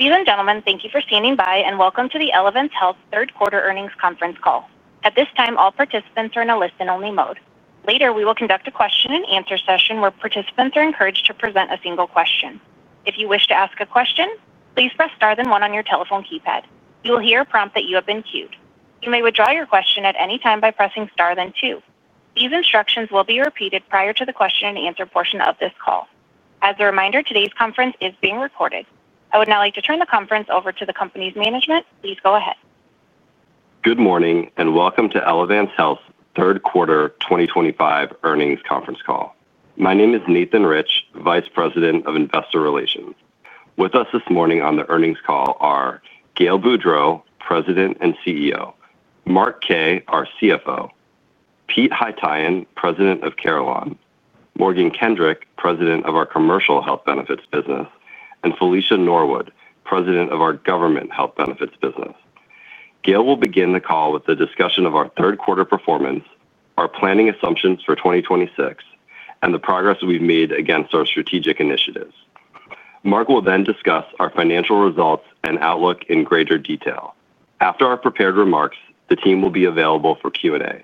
Ladies and gentlemen, thank you for standing by and welcome to the Elevance Health third quarter earnings conference call. At this time, all participants are in a listen-only mode. Later, we will conduct a question-and-answer session where participants are encouraged to present a single question. If you wish to ask a question, please press star then one on your telephone keypad. You will hear a prompt that you have been queued. You may withdraw your question at any time by pressing star then two. These instructions will be repeated prior to the question and answer portion of this call. As a reminder, today's conference is being recorded. I would now like to turn the conference over to the company's management. Please go ahead. Good morning and welcome to Elevance Health's third quarter 2025 earnings conference call. My name is Nathan Rich, Vice President of Investor Relations. With us this morning on the earnings call are Gail Boudreaux, President and CEO, Mark Kaye, our CFO, Pete Haytaian, President of Carelon, Morgan Kendrick, President of our Commercial Health Benefits business, and Felicia Norwood, President of our Government Health Benefits business. Gail will begin the call with a discussion of our third quarter performance, our planning assumptions for 2026, and the progress we've made against our strategic initiatives. Mark will then discuss our financial results and outlook in greater detail. After our prepared remarks, the team will be available for Q&A.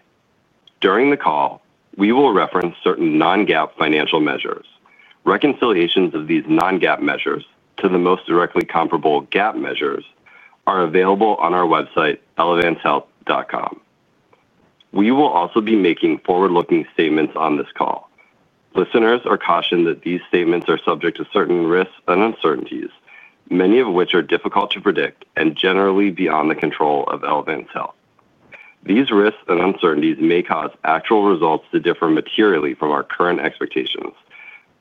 During the call, we will reference certain non-GAAP financial measures. Reconciliations of these non-GAAP measures to the most directly comparable GAAP measures are available on our website, elevancehealth.com. We will also be making forward-looking statements on this call. Listeners are cautioned that these statements are subject to certain risks and uncertainties, many of which are difficult to predict and generally beyond the control of Elevance Health. These risks and uncertainties may cause actual results to differ materially from our current expectations.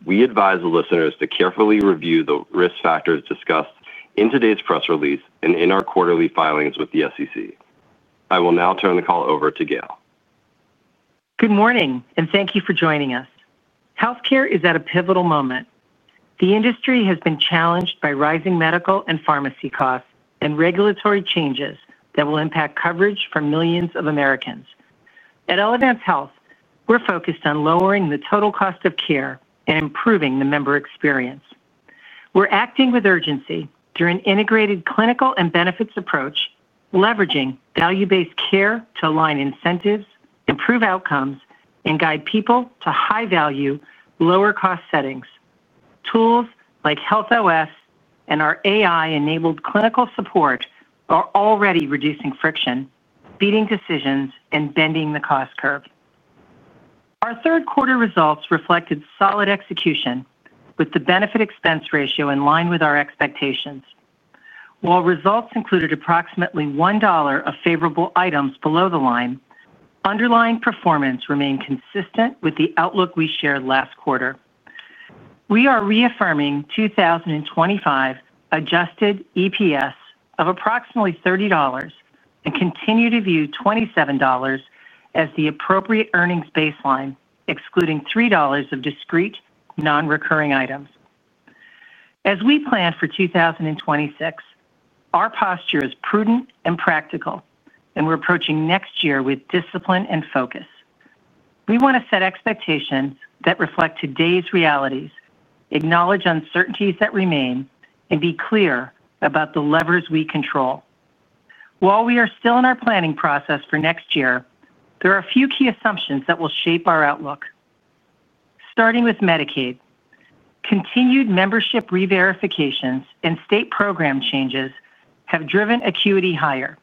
We advise the listeners to carefully review the risk factors discussed in today's press release and in our quarterly filings with the SEC. I will now turn the call over to Gail. Good morning and thank you for joining us. Healthcare is at a pivotal moment. The industry has been challenged by rising medical and pharmacy costs and regulatory changes that will impact coverage for millions of Americans. At Elevance Health, we're focused on lowering the total cost of care and improving the member experience. We're acting with urgency through an integrated clinical and benefits approach, leveraging value-based care to align incentives, improve outcomes, and guide people to high-value, lower-cost settings. Tools like Health OS and our AI-enabled clinical support are already reducing friction, feeding decisions, and bending the cost curve. Our third quarter results reflected solid execution, with the benefit-expense ratio in line with our expectations. While results included approximately $1 of favorable items below the line, underlying performance remained consistent with the outlook we shared last quarter. We are reaffirming 2025 adjusted EPS of approximately $30 and continue to view $27 as the appropriate earnings baseline, excluding $3 of discrete, non-recurring items. As we plan for 2026, our posture is prudent and practical, and we're approaching next year with discipline and focus. We want to set expectations that reflect today's realities, acknowledge uncertainties that remain, and be clear about the levers we control. While we are still in our planning process for next year, there are a few key assumptions that will shape our outlook. Starting with Medicaid, continued membership re-verifications and state program changes have driven acuity higher,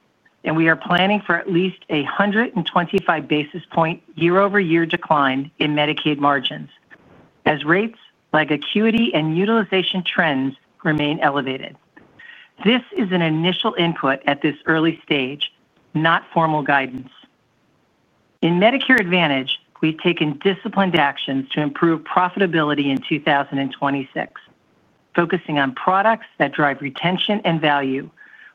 and we are planning for at least a 125 basis point year-over-year decline in Medicaid margins as rates like acuity and utilization trends remain elevated. This is an initial input at this early stage, not formal guidance. In Medicare Advantage, we've taken disciplined actions to improve profitability in 2026, focusing on products that drive retention and value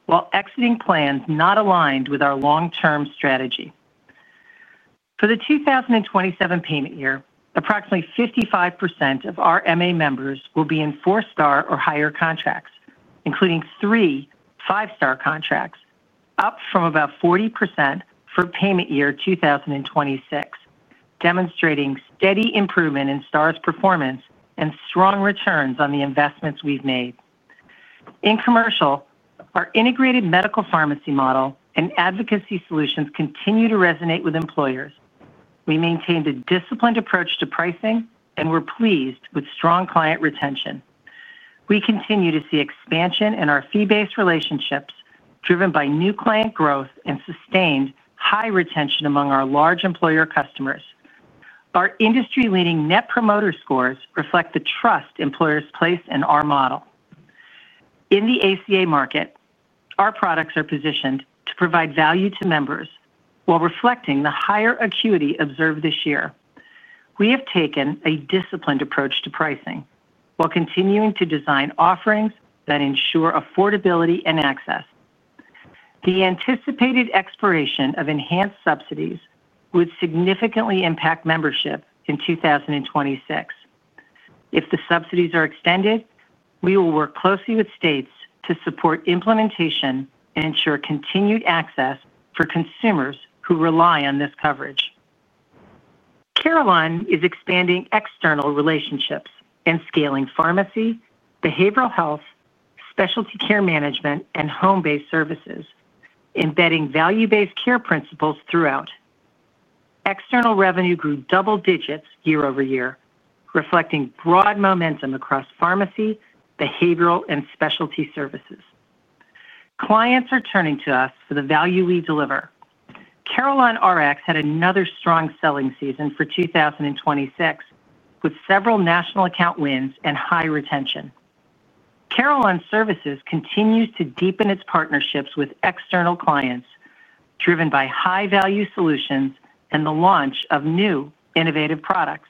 while exiting plans not aligned with our long-term strategy. For the 2027 payment year, approximately 55% of our MA members will be in four-star or higher contracts, including three five-star contracts, up from about 40% for payment year 2026, demonstrating steady improvement in STAR's performance and strong returns on the investments we've made. In commercial, our integrated medical pharmacy model and advocacy solutions continue to resonate with employers. We maintained a disciplined approach to pricing and were pleased with strong client retention. We continue to see expansion in our fee-based relationships, driven by new client growth and sustained high retention among our large employer customers. Our industry-leading net promoter scores reflect the trust employers place in our model. In the ACA market, our products are positioned to provide value to members while reflecting the higher acuity observed this year. We have taken a disciplined approach to pricing while continuing to design offerings that ensure affordability and access. The anticipated expiration of enhanced subsidies would significantly impact membership in 2026. If the subsidies are extended, we will work closely with states to support implementation and ensure continued access for consumers who rely on this coverage. Carelon is expanding external relationships and scaling pharmacy, behavioral health, specialty care management, and home-based services, embedding value-based care principles throughout. External revenue grew double digits year-over-year, reflecting broad momentum across pharmacy, behavioral, and specialty services. Clients are turning to us for the value we deliver. CarelonRx had another strong selling season for 2026, with several national account wins and high retention. Carelon Services continues to deepen its partnerships with external clients, driven by high-value solutions and the launch of new innovative products.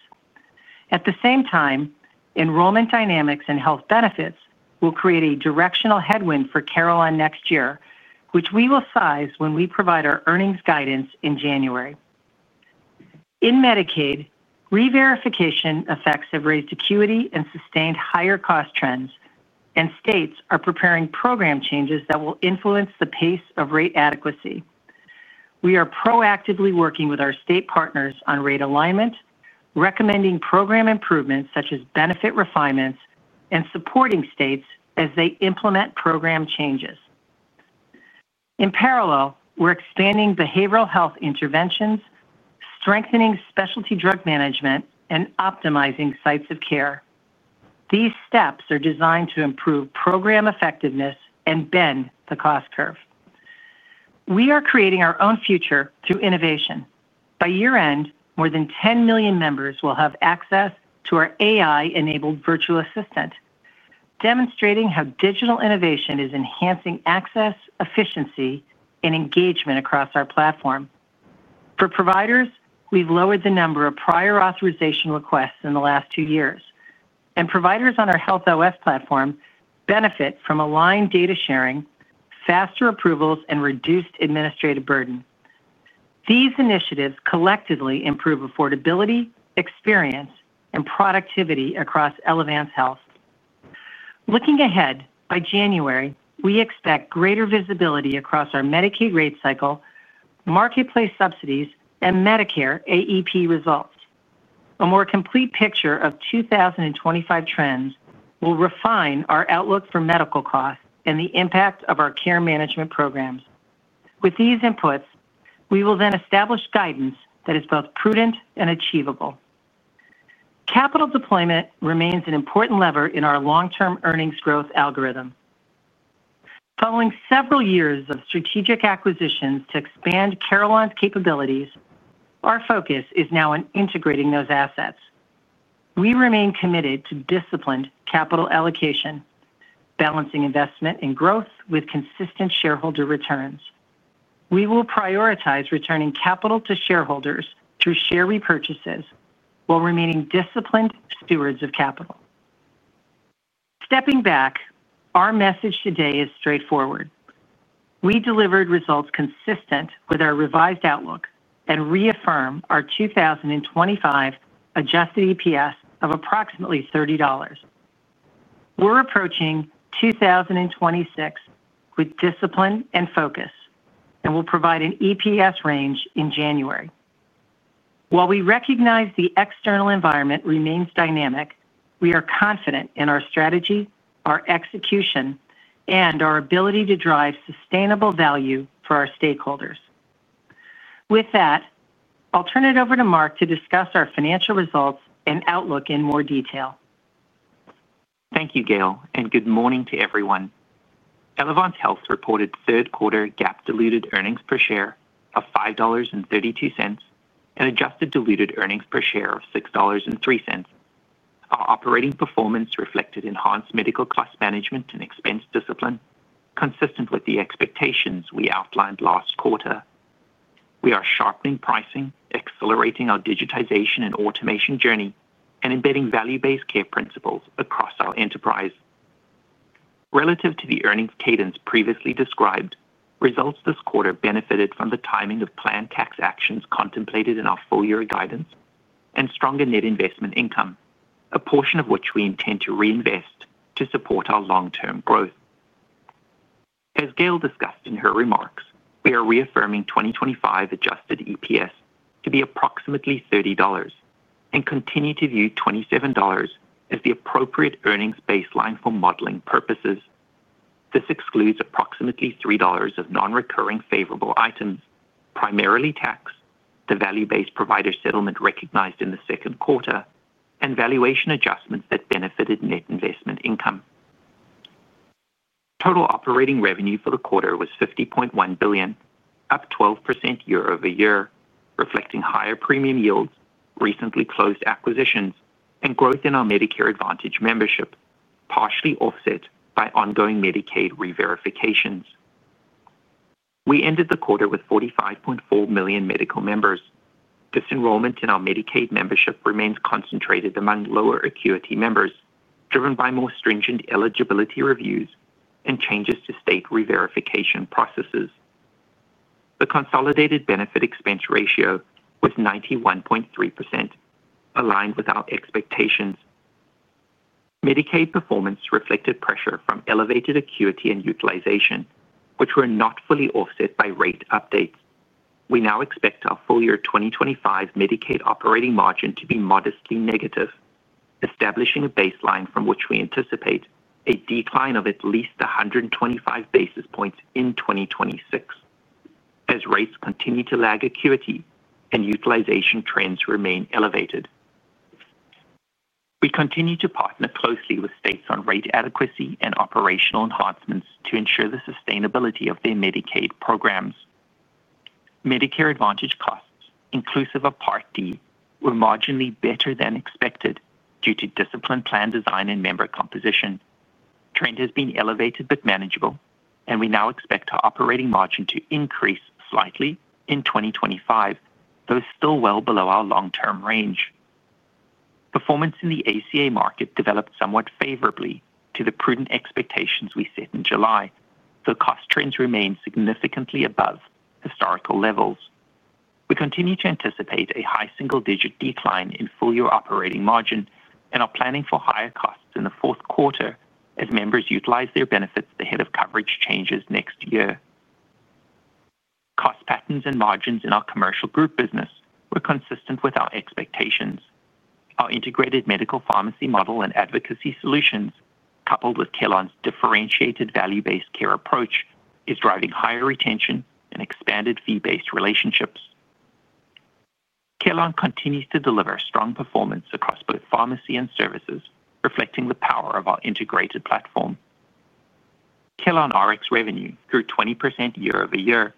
At the same time, enrollment dynamics and health benefits will create a directional headwind for Carelon next year, which we will size when we provide our earnings guidance in January. In Medicaid, re-verification effects have raised acuity and sustained higher cost trends, and states are preparing program changes that will influence the pace of rate adequacy. We are proactively working with our state partners on rate alignment, recommending program improvements such as benefit refinements, and supporting states as they implement program changes. In parallel, we're expanding behavioral health interventions, strengthening specialty drug management, and optimizing sites of care. These steps are designed to improve program effectiveness and bend the cost curve. We are creating our own future through innovation. By year-end, more than 10 million members will have access to our AI-enabled virtual assistant, demonstrating how digital innovation is enhancing access, efficiency, and engagement across our platform. For providers, we've lowered the number of prior authorization requests in the last two years, and providers on our Health OS platform benefit from aligned data sharing, faster approvals, and reduced administrative burden. These initiatives collectively improve affordability, experience, and productivity across Elevance Health. Looking ahead, by January, we expect greater visibility across our Medicaid rate cycle, marketplace subsidies, and Medicare AEP results. A more complete picture of 2025 trends will refine our outlook for medical costs and the impact of our care management programs. With these inputs, we will then establish guidance that is both prudent and achievable. Capital deployment remains an important lever in our long-term earnings growth algorithm. Following several years of strategic acquisitions to expand Carelon's capabilities, our focus is now on integrating those assets. We remain committed to disciplined capital allocation, balancing investment and growth with consistent shareholder returns. We will prioritize returning capital to shareholders through share repurchases while remaining disciplined stewards of capital. Stepping back, our message today is straightforward. We delivered results consistent with our revised outlook and reaffirm our 2025 adjusted EPS of approximately $30. We're approaching 2026 with discipline and focus, and we'll provide an EPS range in January. While we recognize the external environment remains dynamic, we are confident in our strategy, our execution, and our ability to drive sustainable value for our stakeholders. With that, I'll turn it over to Mark to discuss our financial results and outlook in more detail. Thank you, Gail, and good morning to everyone. Elevance Health reported third quarter GAAP diluted earnings per share of $5.32 and adjusted diluted earnings per share of $6.03. Our operating performance reflected enhanced medical cost management and expense discipline, consistent with the expectations we outlined last quarter. We are sharpening pricing, accelerating our digitization and automation journey, and embedding value-based care principles across our enterprise. Relative to the earnings cadence previously described, results this quarter benefited from the timing of planned tax actions contemplated in our full-year guidance and stronger net investment income, a portion of which we intend to reinvest to support our long-term growth. As Gail discussed in her remarks, we are reaffirming 2025 adjusted EPS to be approximately $30 and continue to view $27 as the appropriate earnings baseline for modeling purposes. This excludes approximately $3 of non-recurring favorable items, primarily tax, the value-based provider settlement recognized in the second quarter, and valuation adjustments that benefited net investment income. Total operating revenue for the quarter was $50.1 billion, up 12% year-over-year, reflecting higher premium yields, recently closed acquisitions, and growth in our Medicare Advantage membership, partially offset by ongoing Medicaid re-verifications. We ended the quarter with 45.4 million medical members. Disenrollment in our Medicaid membership remains concentrated among lower acuity members, driven by more stringent eligibility reviews and changes to state re-verification processes. The consolidated benefit-expense ratio was 91.3%, aligned with our expectations. Medicaid performance reflected pressure from elevated acuity and utilization, which were not fully offset by rate updates. We now expect our full-year 2025 Medicaid operating margin to be modestly negative, establishing a baseline from which we anticipate a decline of at least 125 basis points in 2026, as rates continue to lag acuity and utilization trends remain elevated. We continue to partner closely with states on rate adequacy and operational enhancements to ensure the sustainability of their Medicaid programs. Medicare Advantage costs, inclusive of Part D, were marginally better than expected due to disciplined plan design and member composition. Trend has been elevated but manageable, and we now expect our operating margin to increase slightly in 2025, though still well below our long-term range. Performance in the ACA market developed somewhat favorably to the prudent expectations we set in July, though cost trends remain significantly above historical levels. We continue to anticipate a high single-digit decline in full-year operating margin and are planning for higher costs in the fourth quarter as members utilize their benefits ahead of coverage changes next year. Cost patterns and margins in our commercial group business were consistent with our expectations. Our integrated medical pharmacy model and advocacy solutions, coupled with Carelon's differentiated value-based care approach, are driving higher retention and expanded fee-based relationships. Carelon continues to deliver strong performance across both pharmacy and services, reflecting the power of our integrated platform. CarelonRx revenue grew 20% year-over-year,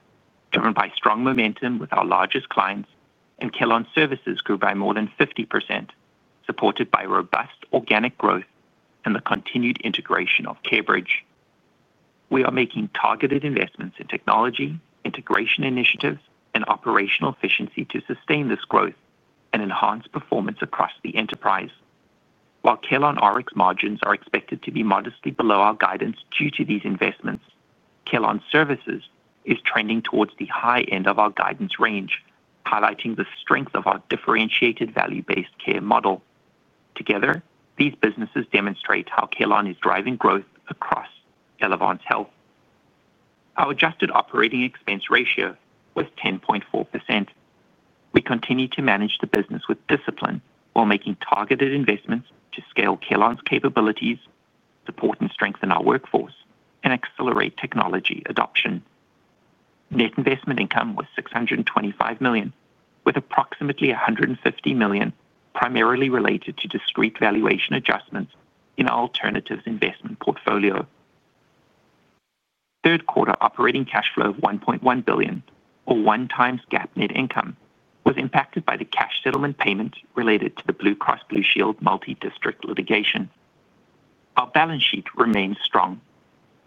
driven by strong momentum with our largest clients, and Carelon Services grew by more than 50%, supported by robust organic growth and the continued integration of CareBridge. We are making targeted investments in technology, integration initiatives, and operational efficiency to sustain this growth and enhance performance across the enterprise. While CarelonRx margins are expected to be modestly below our guidance due to these investments, Carelon Services are trending towards the high end of our guidance range, highlighting the strength of our differentiated value-based care model. Together, these businesses demonstrate how Carelon is driving growth across Elevance Health. Our adjusted operating expense ratio was 10.4%. We continue to manage the business with discipline while making targeted investments to scale Carelon's capabilities, support and strengthen our workforce, and accelerate technology adoption. Net investment income was $625 million, with approximately $150 million primarily related to discrete valuation adjustments in our alternatives investment portfolio. Third quarter operating cash flow of $1.1 billion, or one times GAAP net income, was impacted by the cash settlement payment related to the Blue Cross Blue Shield multi-district litigation. Our balance sheet remains strong,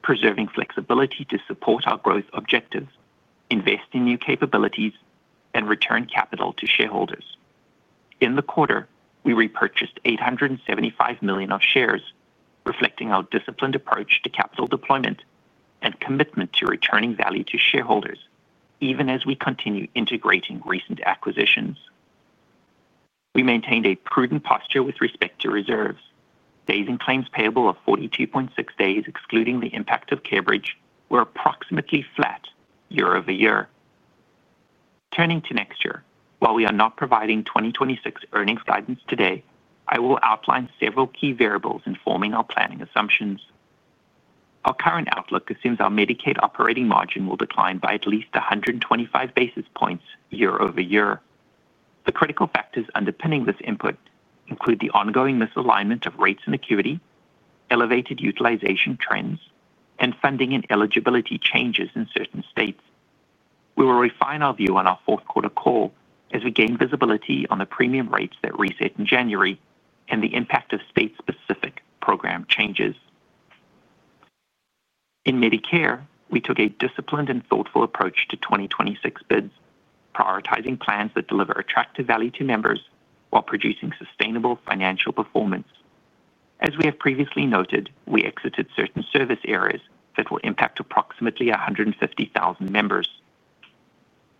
preserving flexibility to support our growth objectives, invest in new capabilities, and return capital to shareholders. In the quarter, we repurchased $875 million of shares, reflecting our disciplined approach to capital deployment and commitment to returning value to shareholders, even as we continue integrating recent acquisitions. We maintained a prudent posture with respect to reserves. Days in claims payable of 42.6 days, excluding the impact of CareBridge, were approximately flat year-over-year. Turning to next year, while we are not providing 2026 earnings guidance today, I will outline several key variables informing our planning assumptions. Our current outlook assumes our Medicaid operating margin will decline by at least 125 basis points year-over-year. The critical factors underpinning this input include the ongoing misalignment of rates and acuity, elevated utilization trends, and funding and eligibility changes in certain states. We will refine our view on our fourth quarter call as we gain visibility on the premium rates that reset in January and the impact of state-specific program changes. In Medicare, we took a disciplined and thoughtful approach to 2026 bids, prioritizing plans that deliver attractive value to members while producing sustainable financial performance. As we have previously noted, we exited certain service areas that will impact approximately 150,000 members.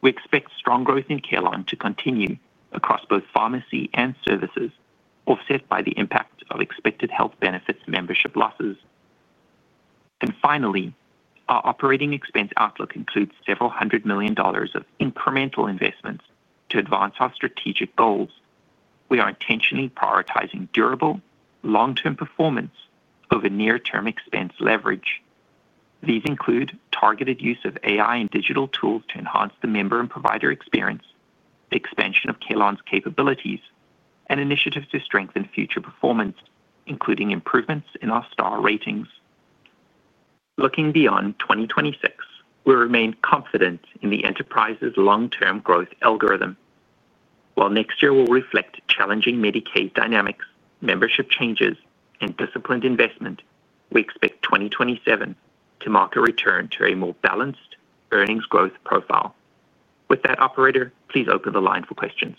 We expect strong growth in Carelon to continue across both pharmacy and services, offset by the impact of expected health benefits membership losses. Finally, our operating expense outlook includes several hundred million dollars of incremental investments to advance our strategic goals. We are intentionally prioritizing durable, long-term performance over near-term expense leverage. These include targeted use of AI and digital tools to enhance the member and provider experience, the expansion of Carelon's capabilities, and initiatives to strengthen future performance, including improvements in our STAR ratings. Looking beyond 2026, we remain confident in the enterprise's long-term growth algorithm. While next year will reflect challenging Medicaid dynamics, membership changes, and disciplined investment, we expect 2027 to mark a return to a more balanced earnings growth profile. With that, operator, please open the line for questions.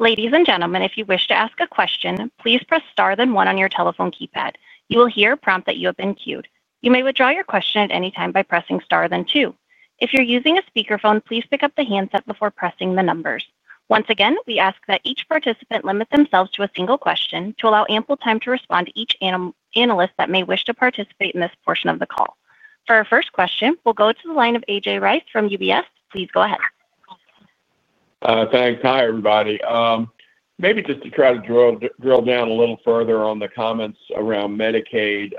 Ladies and gentlemen, if you wish to ask a question, please press star then one on your telephone keypad. You will hear a prompt that you have been queued. You may withdraw your question at any time by pressing star then two. If you're using a speakerphone, please pick up the handset before pressing the numbers. Once again, we ask that each participant limit themselves to a single question to allow ample time to respond to each analyst that may wish to participate in this portion of the call. For our first question, we'll go to the line of A.J. Rice from UBS. Please go ahead. Thanks. Hi, everybody. Maybe just to try to drill down a little further on the comments around Medicaid.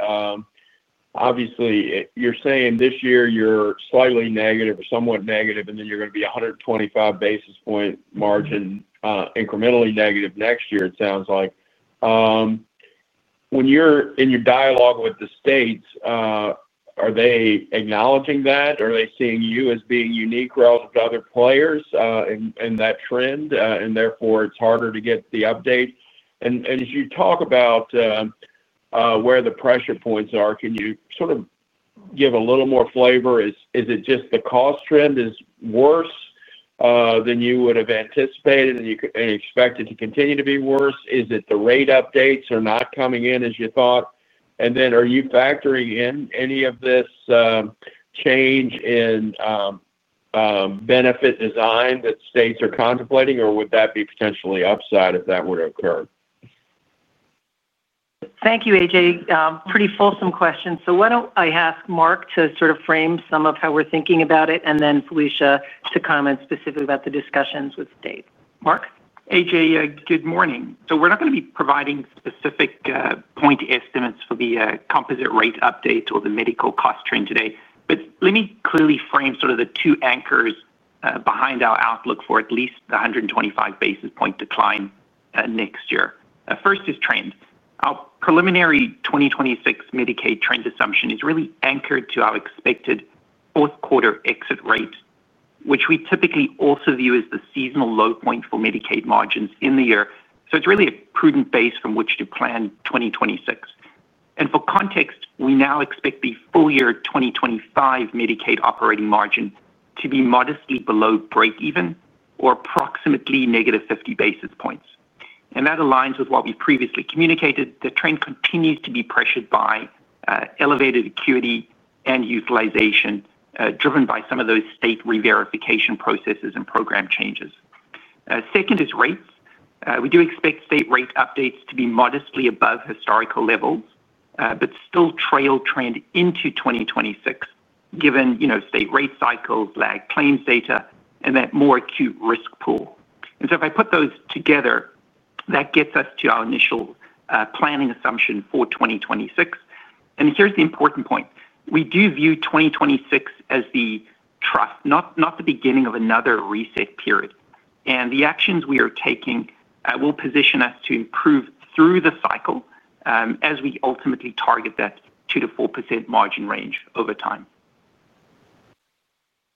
Obviously, you're saying this year you're slightly negative or somewhat negative, and you're going to be 125 basis point margin incrementally negative next year, it sounds like. When you're in your dialogue with the states, are they acknowledging that? Are they seeing you as being unique relative to other players in that trend? Therefore, it's harder to get the update. As you talk about where the pressure points are, can you sort of give a little more flavor? Is it just the cost trend is worse than you would have anticipated and expected to continue to be worse? Is it the rate updates are not coming in as you thought? Are you factoring in any of this change in benefit design that states are contemplating, or would that be potentially upside if that were to occur? Thank you, A.J. Pretty fulsome question. Why don't I ask Mark to sort of frame some of how we're thinking about it, and then Felicia to comment specifically about the discussions with states. Mark? A.J., good morning. We're not going to be providing specific point estimates for the composite rate updates or the medical cost trend today. Let me clearly frame the two anchors behind our outlook for at least the 125 basis point decline next year. First is trends. Our preliminary 2026 Medicaid trend assumption is really anchored to our expected fourth quarter exit rate, which we typically also view as the seasonal low point for Medicaid margins in the year. It's really a prudent base from which to plan 2026. For context, we now expect the full year 2025 Medicaid operating margin to be modestly below breakeven or approximately -50 basis points. That aligns with what we previously communicated. The trend continues to be pressured by elevated acuity and utilization, driven by some of those state re-verification processes and program changes. Second is rates. We do expect state rate updates to be modestly above historical levels, but still trail trend into 2026, given state rate cycles, lagged claims data, and that more acute risk pool. If I put those together, that gets us to our initial planning assumption for 2026. Here's the important point. We do view 2026 as the trough, not the beginning of another reset period. The actions we are taking will position us to improve through the cycle as we ultimately target that 2%-4% margin range over time.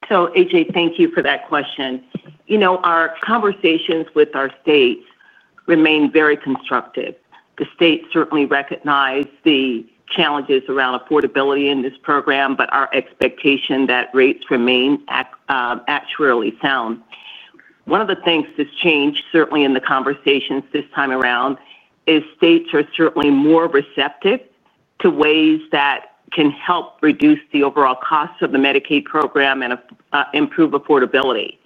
A.J., thank you for that question. Our conversations with our states remain very constructive. The states certainly recognize the challenges around affordability in this program, but our expectation is that rates remain actuarially sound. One of the things that's changed in the conversations this time around is states are more receptive to ways that can help reduce the overall cost of the Medicaid program and improve affordability.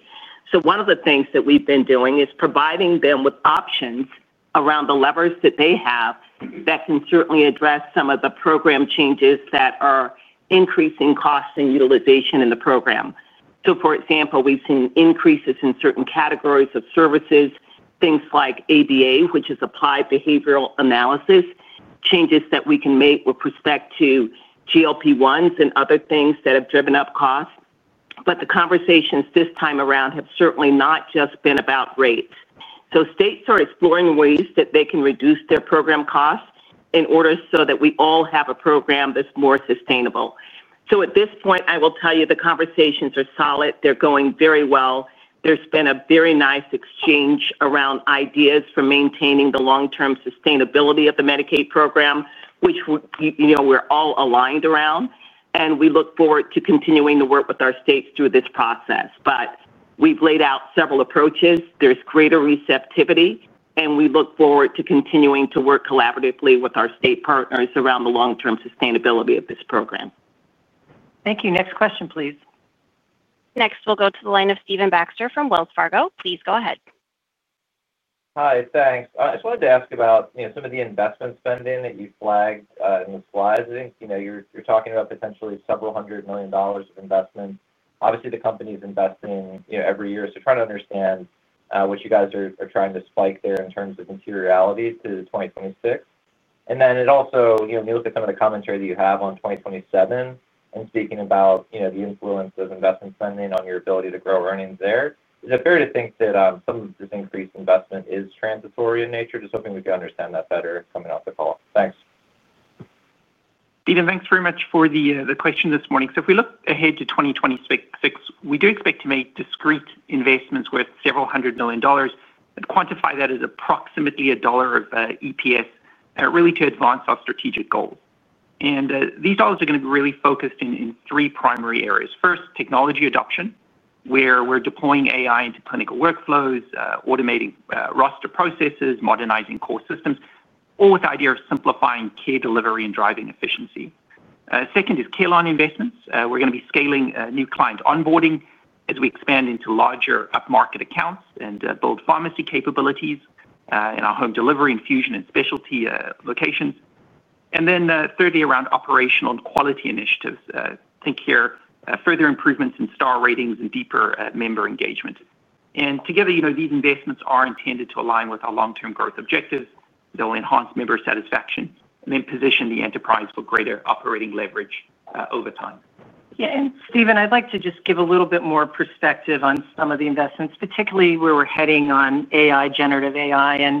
One of the things that we've been doing is providing them with options around the levers that they have that can address some of the program changes that are increasing costs and utilization in the program. For example, we've seen increases in certain categories of services, things like ABA, which is applied behavioral analysis, changes that we can make with respect to GLP-1s and other things that have driven up costs. The conversations this time around have not just been about rates. States are exploring ways that they can reduce their program costs in order so that we all have a program that's more sustainable. At this point, I will tell you the conversations are solid. They're going very well. There's been a very nice exchange around ideas for maintaining the long-term sustainability of the Medicaid program, which we're all aligned around. We look forward to continuing to work with our states through this process. We've laid out several approaches. There's greater receptivity, and we look forward to continuing to work collaboratively with our state partners around the long-term sustainability of this program. Thank you. Next question, please. Next, we'll go to the line of Stephen Baxter from Wells Fargo. Please go ahead. Hi, thanks. I just wanted to ask about some of the investment spending that you flagged in the slides. I think you're talking about potentially several hundred million dollars of investment. Obviously, the company is investing every year. Trying to understand what you guys are trying to spike there in terms of materiality to 2026. It also, you know, you look at some of the commentary that you have on 2027 and speaking about the influence of investment spending on your ability to grow earnings there. Is it fair to think that some of this increased investment is transitory in nature? Just hoping we could understand that better coming off the call. Thanks. Stephen, thanks very much for the question this morning. If we look ahead to 2026, we do expect to make discrete investments worth several hundred million dollars. Quantify that as approximately $1 of EPS, really to advance our strategic goals. These dollars are going to be really focused in three primary areas. First, technology adoption, where we're deploying AI into clinical workflows, automating roster processes, modernizing core systems, all with the idea of simplifying care delivery and driving efficiency. Second is Carelon investments. We're going to be scaling new client onboarding as we expand into larger upmarket accounts and build pharmacy capabilities in our home delivery and infusion and specialty locations. Thirdly, around operational and quality initiatives. Think here further improvements in STAR ratings and deeper member engagement. Together, these investments are intended to align with our long-term growth objectives. They'll enhance member satisfaction and then position the enterprise for greater operating leverage over time. Yeah, Stephen, I'd like to just give a little bit more perspective on some of the investments, particularly where we're heading on AI, generative AI.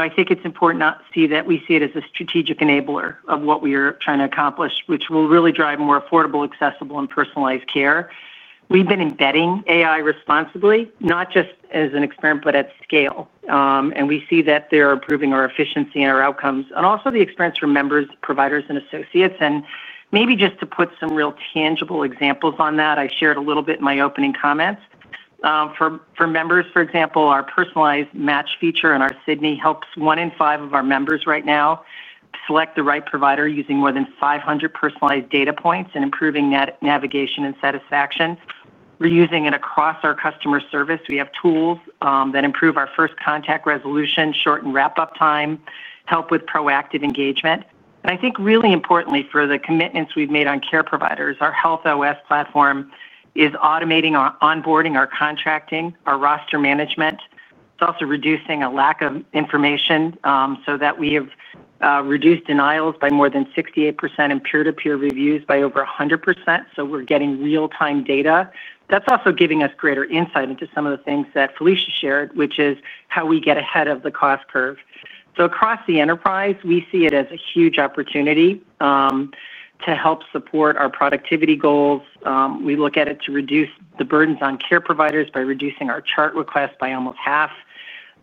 I think it's important to see that we see it as a strategic enabler of what we are trying to accomplish, which will really drive more affordable, accessible, and personalized care. We've been embedding AI responsibly, not just as an experiment, but at scale. We see that they're improving our efficiency and our outcomes, and also the experience for members, providers, and associates. Maybe just to put some real tangible examples on that, I shared a little bit in my opening comments. For members, for example, our personalized match feature in our Sydney helps one in five of our members right now select the right provider using more than 500 personalized data points and improving navigation and satisfaction. We're using it across our customer service. We have tools that improve our first contact resolution, shorten wrap-up time, help with proactive engagement. I think really importantly for the commitments we've made on care providers, our Health OS platform is automating our onboarding, our contracting, our roster management. It's also reducing a lack of information so that we have reduced denials by more than 68% and peer-to-peer reviews by over 100%. We're getting real-time data. That's also giving us greater insight into some of the things that Felicia shared, which is how we get ahead of the cost curve. Across the enterprise, we see it as a huge opportunity to help support our productivity goals. We look at it to reduce the burdens on care providers by reducing our chart requests by almost half.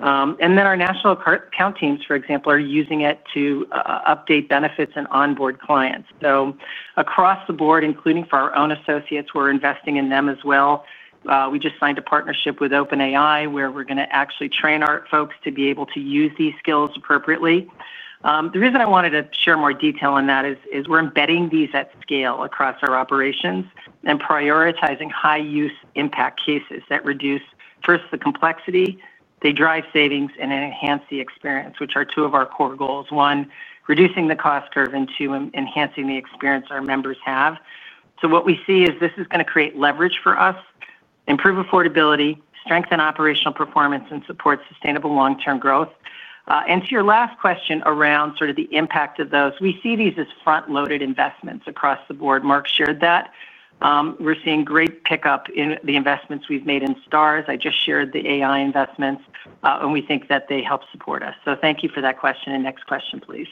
Our national account teams, for example, are using it to update benefits and onboard clients. Across the board, including for our own associates, we're investing in them as well. We just signed a partnership with OpenAI where we're going to actually train our folks to be able to use these skills appropriately. The reason I wanted to share more detail on that is we're embedding these at scale across our operations and prioritizing high-use impact cases that reduce first the complexity. They drive savings and enhance the experience, which are two of our core goals. One, reducing the cost curve and two, enhancing the experience our members have. What we see is this is going to create leverage for us, improve affordability, strengthen operational performance, and support sustainable long-term growth. To your last question around sort of the impact of those, we see these as front-loaded investments across the board. Mark shared that. We're seeing great pickup in the investments we've made in STAR ratings. I just shared the AI investments, and we think that they help support us. Thank you for that question. Next question, please.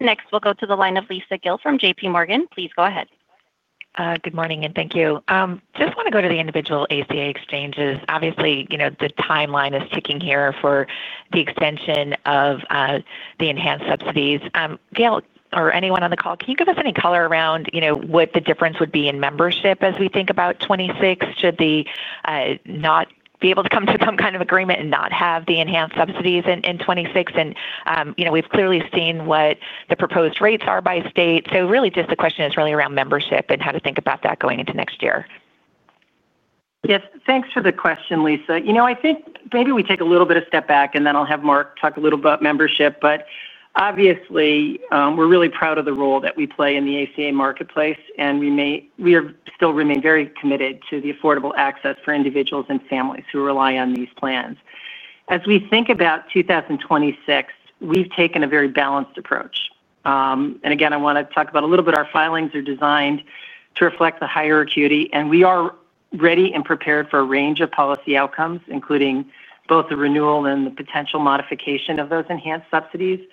Next, we'll go to the line of Lisa Gill from JPMorgan. Please go ahead. Good morning and thank you. I just want to go to the individual ACA exchanges. Obviously, you know, the timeline is ticking here for the extension of the enhanced subsidies. Gail, or anyone on the call, can you give us any color around, you know, what the difference would be in membership as we think about 2026? Should they not be able to come to some kind of agreement and not have the enhanced subsidies in 2026? You know, we've clearly seen what the proposed rates are by state. The question is really around membership and how to think about that going into next year. Yes, thanks for the question, Lisa. I think maybe we take a little bit of a step back and then I'll have Mark talk a little bit about membership. Obviously, we're really proud of the role that we play in the ACA marketplace, and we still remain very committed to the affordable access for individuals and families who rely on these plans. As we think about 2026, we've taken a very balanced approach. I want to talk about it a little bit. Our filings are designed to reflect the higher acuity, and we are ready and prepared for a range of policy outcomes, including both the renewal and the potential modification of those enhanced subsidies.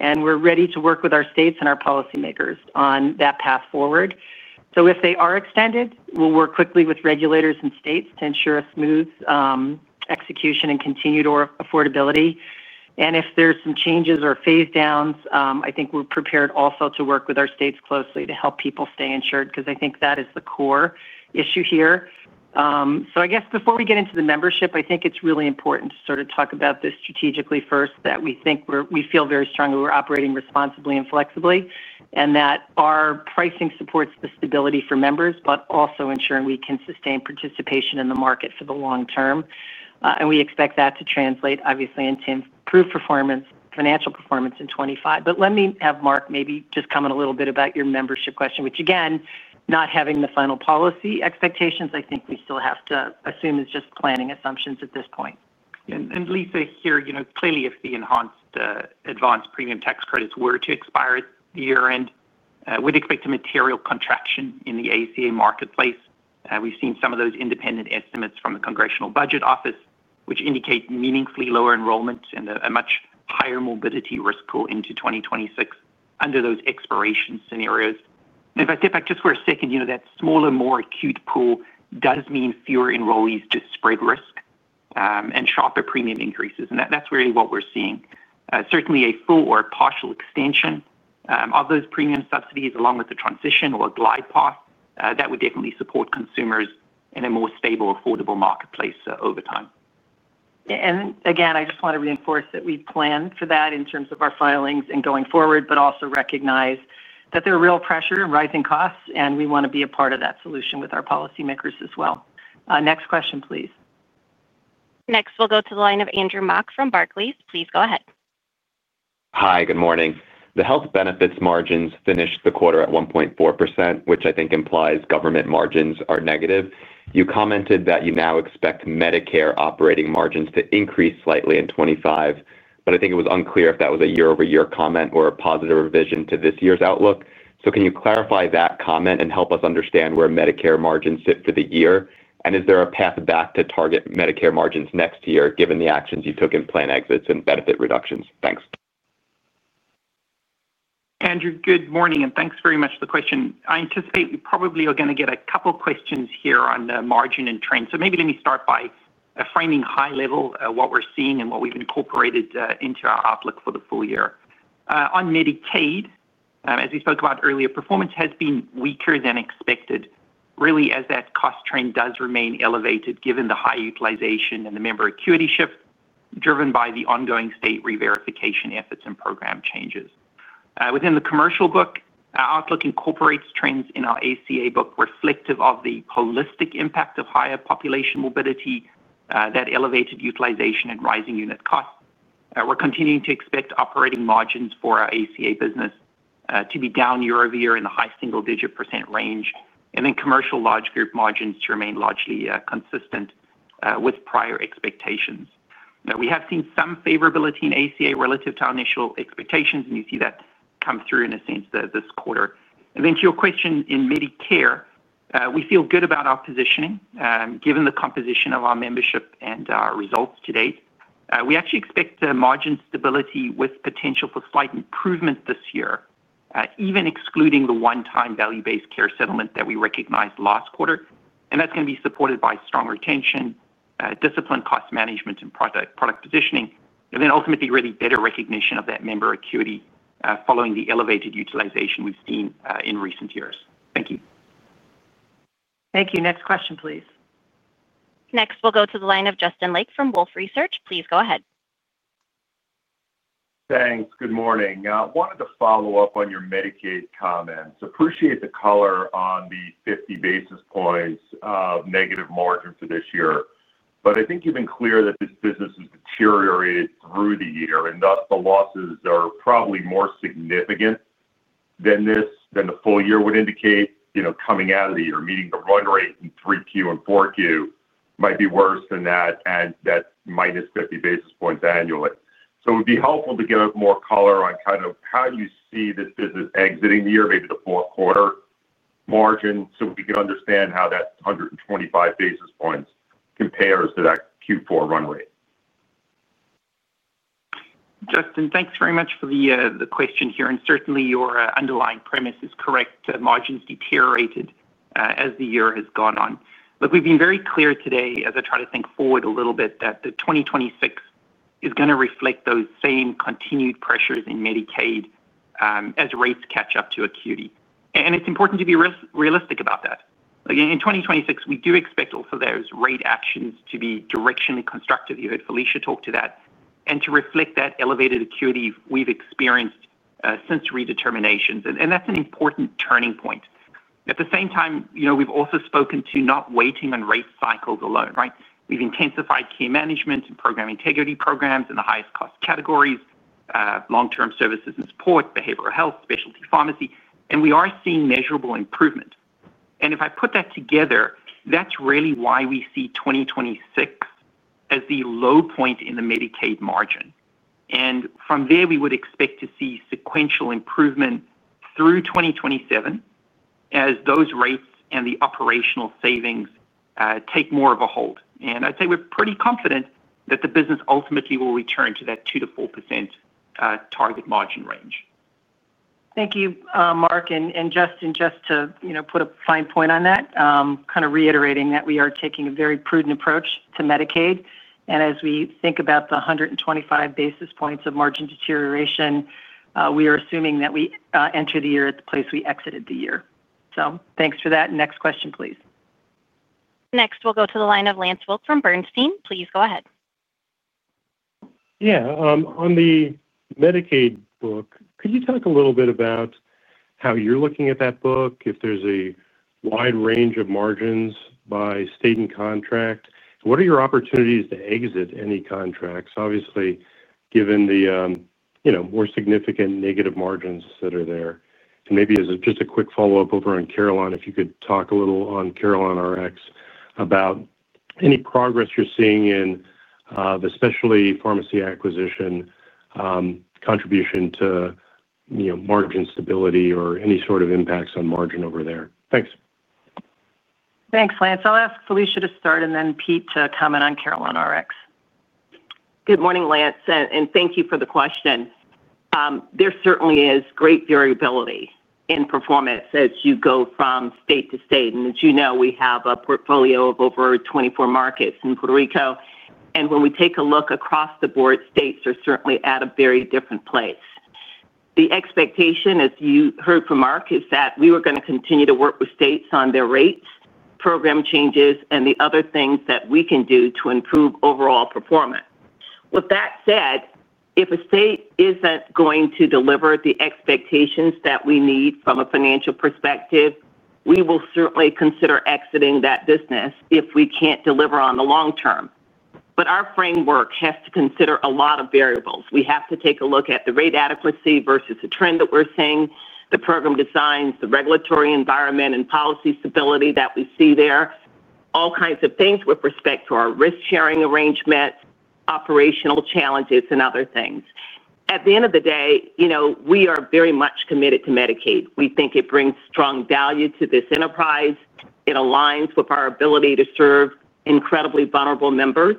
We're ready to work with our states and our policymakers on that path forward. If they are extended, we'll work quickly with regulators and states to ensure a smooth execution and continued affordability. If there's some changes or phase downs, I think we're prepared also to work with our states closely to help people stay insured because I think that is the core issue here. Before we get into the membership, I think it's really important to sort of talk about this strategically first, that we feel very strongly we're operating responsibly and flexibly, and that our pricing supports the stability for members, but also ensuring we can sustain participation in the market for the long term. We expect that to translate, obviously, into improved performance, financial performance in 2025. Let me have Mark maybe just comment a little bit about your membership question, which again, not having the final policy expectations, I think we still have to assume is just planning assumptions at this point. Lisa, clearly if the enhanced advanced premium tax credits were to expire at the year-end, we'd expect a material contraction in the ACA marketplace. We've seen some of those independent estimates from the Congressional Budget Office, which indicate meaningfully lower enrollment and a much higher mobility risk pool into 2026 under those expiration scenarios. If I step back just for a second, that smaller, more acute pool does mean fewer enrollees to spread risk and sharper premium increases. That's really what we're seeing. Certainly, a full or partial extension of those premium subsidies, along with the transition or glide path, would definitely support consumers in a more stable, affordable marketplace over time. I just want to reinforce that we plan for that in terms of our filings and going forward, but also recognize that there are real pressures and rising costs, and we want to be a part of that solution with our policymakers as well. Next question, please. Next, we'll go to the line of Andrew Mok from Barclays. Please go ahead. Hi, good morning. The health benefits margins finished the quarter at 1.4%, which I think implies government margins are negative. You commented that you now expect Medicare operating margins to increase slightly in 2025, but I think it was unclear if that was a year-over-year comment or a positive revision to this year's outlook. Can you clarify that comment and help us understand where Medicare margins sit for the year? Is there a path back to target Medicare margins next year, given the actions you took in plan exits and benefit reductions? Thanks. Andrew, good morning, and thanks very much for the question. I anticipate we probably are going to get a couple of questions here on the margin and trend. Let me start by framing high level what we're seeing and what we've incorporated into our outlook for the full year. On Medicaid, as we spoke about earlier, performance has been weaker than expected, really as that cost trend does remain elevated given the high utilization and the member acuity shift driven by the ongoing state re-verification efforts and program changes. Within the commercial book, our outlook incorporates trends in our ACA book reflective of the holistic impact of higher population mobility, that elevated utilization and rising unit costs. We're continuing to expect operating margins for our ACA business to be down year-over-year in the high single-digit percent range, and commercial large group margins to remain largely consistent with prior expectations. We have seen some favorability in ACA relative to our initial expectations, and you see that come through in a sense this quarter. To your question in Medicare, we feel good about our positioning given the composition of our membership and our results to date. We actually expect margin stability with potential for slight improvement this year, even excluding the one-time value-based care settlement that we recognized last quarter. That is going to be supported by strong retention, discipline cost management, and product positioning, and ultimately really better recognition of that member acuity following the elevated utilization we've seen in recent years. Thank you. Thank you. Next question, please. Next, we'll go to the line of Justin Lake from Wolfe Research. Please go ahead. Thanks. Good morning. I wanted to follow up on your Medicaid comments. Appreciate the color on the 50 basis points of negative margin for this year. I think you've been clear that this business has deteriorated through the year, and thus the losses are probably more significant than the full year would indicate. Coming out of the year, meaning the run rate in 3Q and 4Q might be worse than that, and that's -50 basis points annually. It would be helpful to get more color on how you see this business exiting the year, maybe the fourth quarter margin, so we can understand how that 125 basis points compares to that Q4 run rate. Justin, thanks very much for the question here. Certainly, your underlying premise is correct. Margins deteriorated as the year has gone on. Look, we've been very clear today as I try to think forward a little bit that 2026 is going to reflect those same continued pressures in Medicaid as rates catch up to acuity. It's important to be realistic about that. In 2026, we do expect also those rate actions to be directionally constructive. You heard Felicia talk to that and to reflect that elevated acuity we've experienced since redeterminations. That's an important turning point. At the same time, we've also spoken to not waiting on rate cycles alone, right? We've intensified care management and program integrity programs in the highest cost categories, long-term services and support, behavioral health, specialty pharmacy, and we are seeing measurable improvement. If I put that together, that's really why we see 2026 as the low point in the Medicaid margin. From there, we would expect to see sequential improvement through 2027 as those rates and the operational savings take more of a hold. I'd say we're pretty confident that the business ultimately will return to that 2%-4% target margin range. Thank you, Mark and Justin. Just to put a fine point on that, reiterating that we are taking a very prudent approach to Medicaid. As we think about the 125 basis points of margin deterioration, we are assuming that we enter the year at the place we exited the year. Thanks for that. Next question, please. Next, we'll go to the line of Lance Wilkes from Bernstein. Please go ahead. Yeah, on the Medicaid book, could you talk a little bit about how you're looking at that book? If there's a wide range of margins by state and contract, what are your opportunities to exit any contracts? Obviously, given the more significant negative margins that are there. Maybe as just a quick follow-up over on Carelon, if you could talk a little on CarelonRx about any progress you're seeing in, especially pharmacy acquisition, contribution to margin stability or any sort of impacts on margin over there. Thanks. Thanks, Lance. I'll ask Felicia to start and then Pete to comment on CarelonRx. Good morning, Lance, and thank you for the question. There certainly is great variability in performance as you go from state to state. As you know, we have a portfolio of over 24 markets in Puerto Rico. When we take a look across the board, states are certainly at a very different place. The expectation, as you heard from Mark, is that we are going to continue to work with states on their rates, program changes, and the other things that we can do to improve overall performance. With that said, if a state isn't going to deliver the expectations that we need from a financial perspective, we will certainly consider exiting that business if we can't deliver on the long term. Our framework has to consider a lot of variables. We have to take a look at the rate adequacy versus the trend that we're seeing, the program designs, the regulatory environment, and policy stability that we see there, all kinds of things with respect to our risk-sharing arrangements, operational challenges, and other things. At the end of the day, we are very much committed to Medicaid. We think it brings strong value to this enterprise. It aligns with our ability to serve incredibly vulnerable members,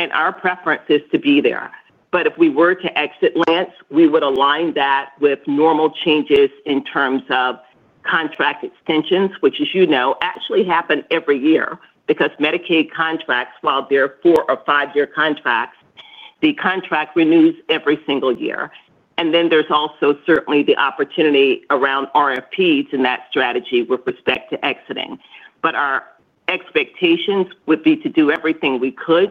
and our preference is to be there. If we were to exit, Lance, we would align that with normal changes in terms of contract extensions, which, as you know, actually happen every year because Medicaid contracts, while they're four or five-year contracts, the contract renews every single year. There is also certainly the opportunity around RFPs in that strategy with respect to exiting. Our expectations would be to do everything we could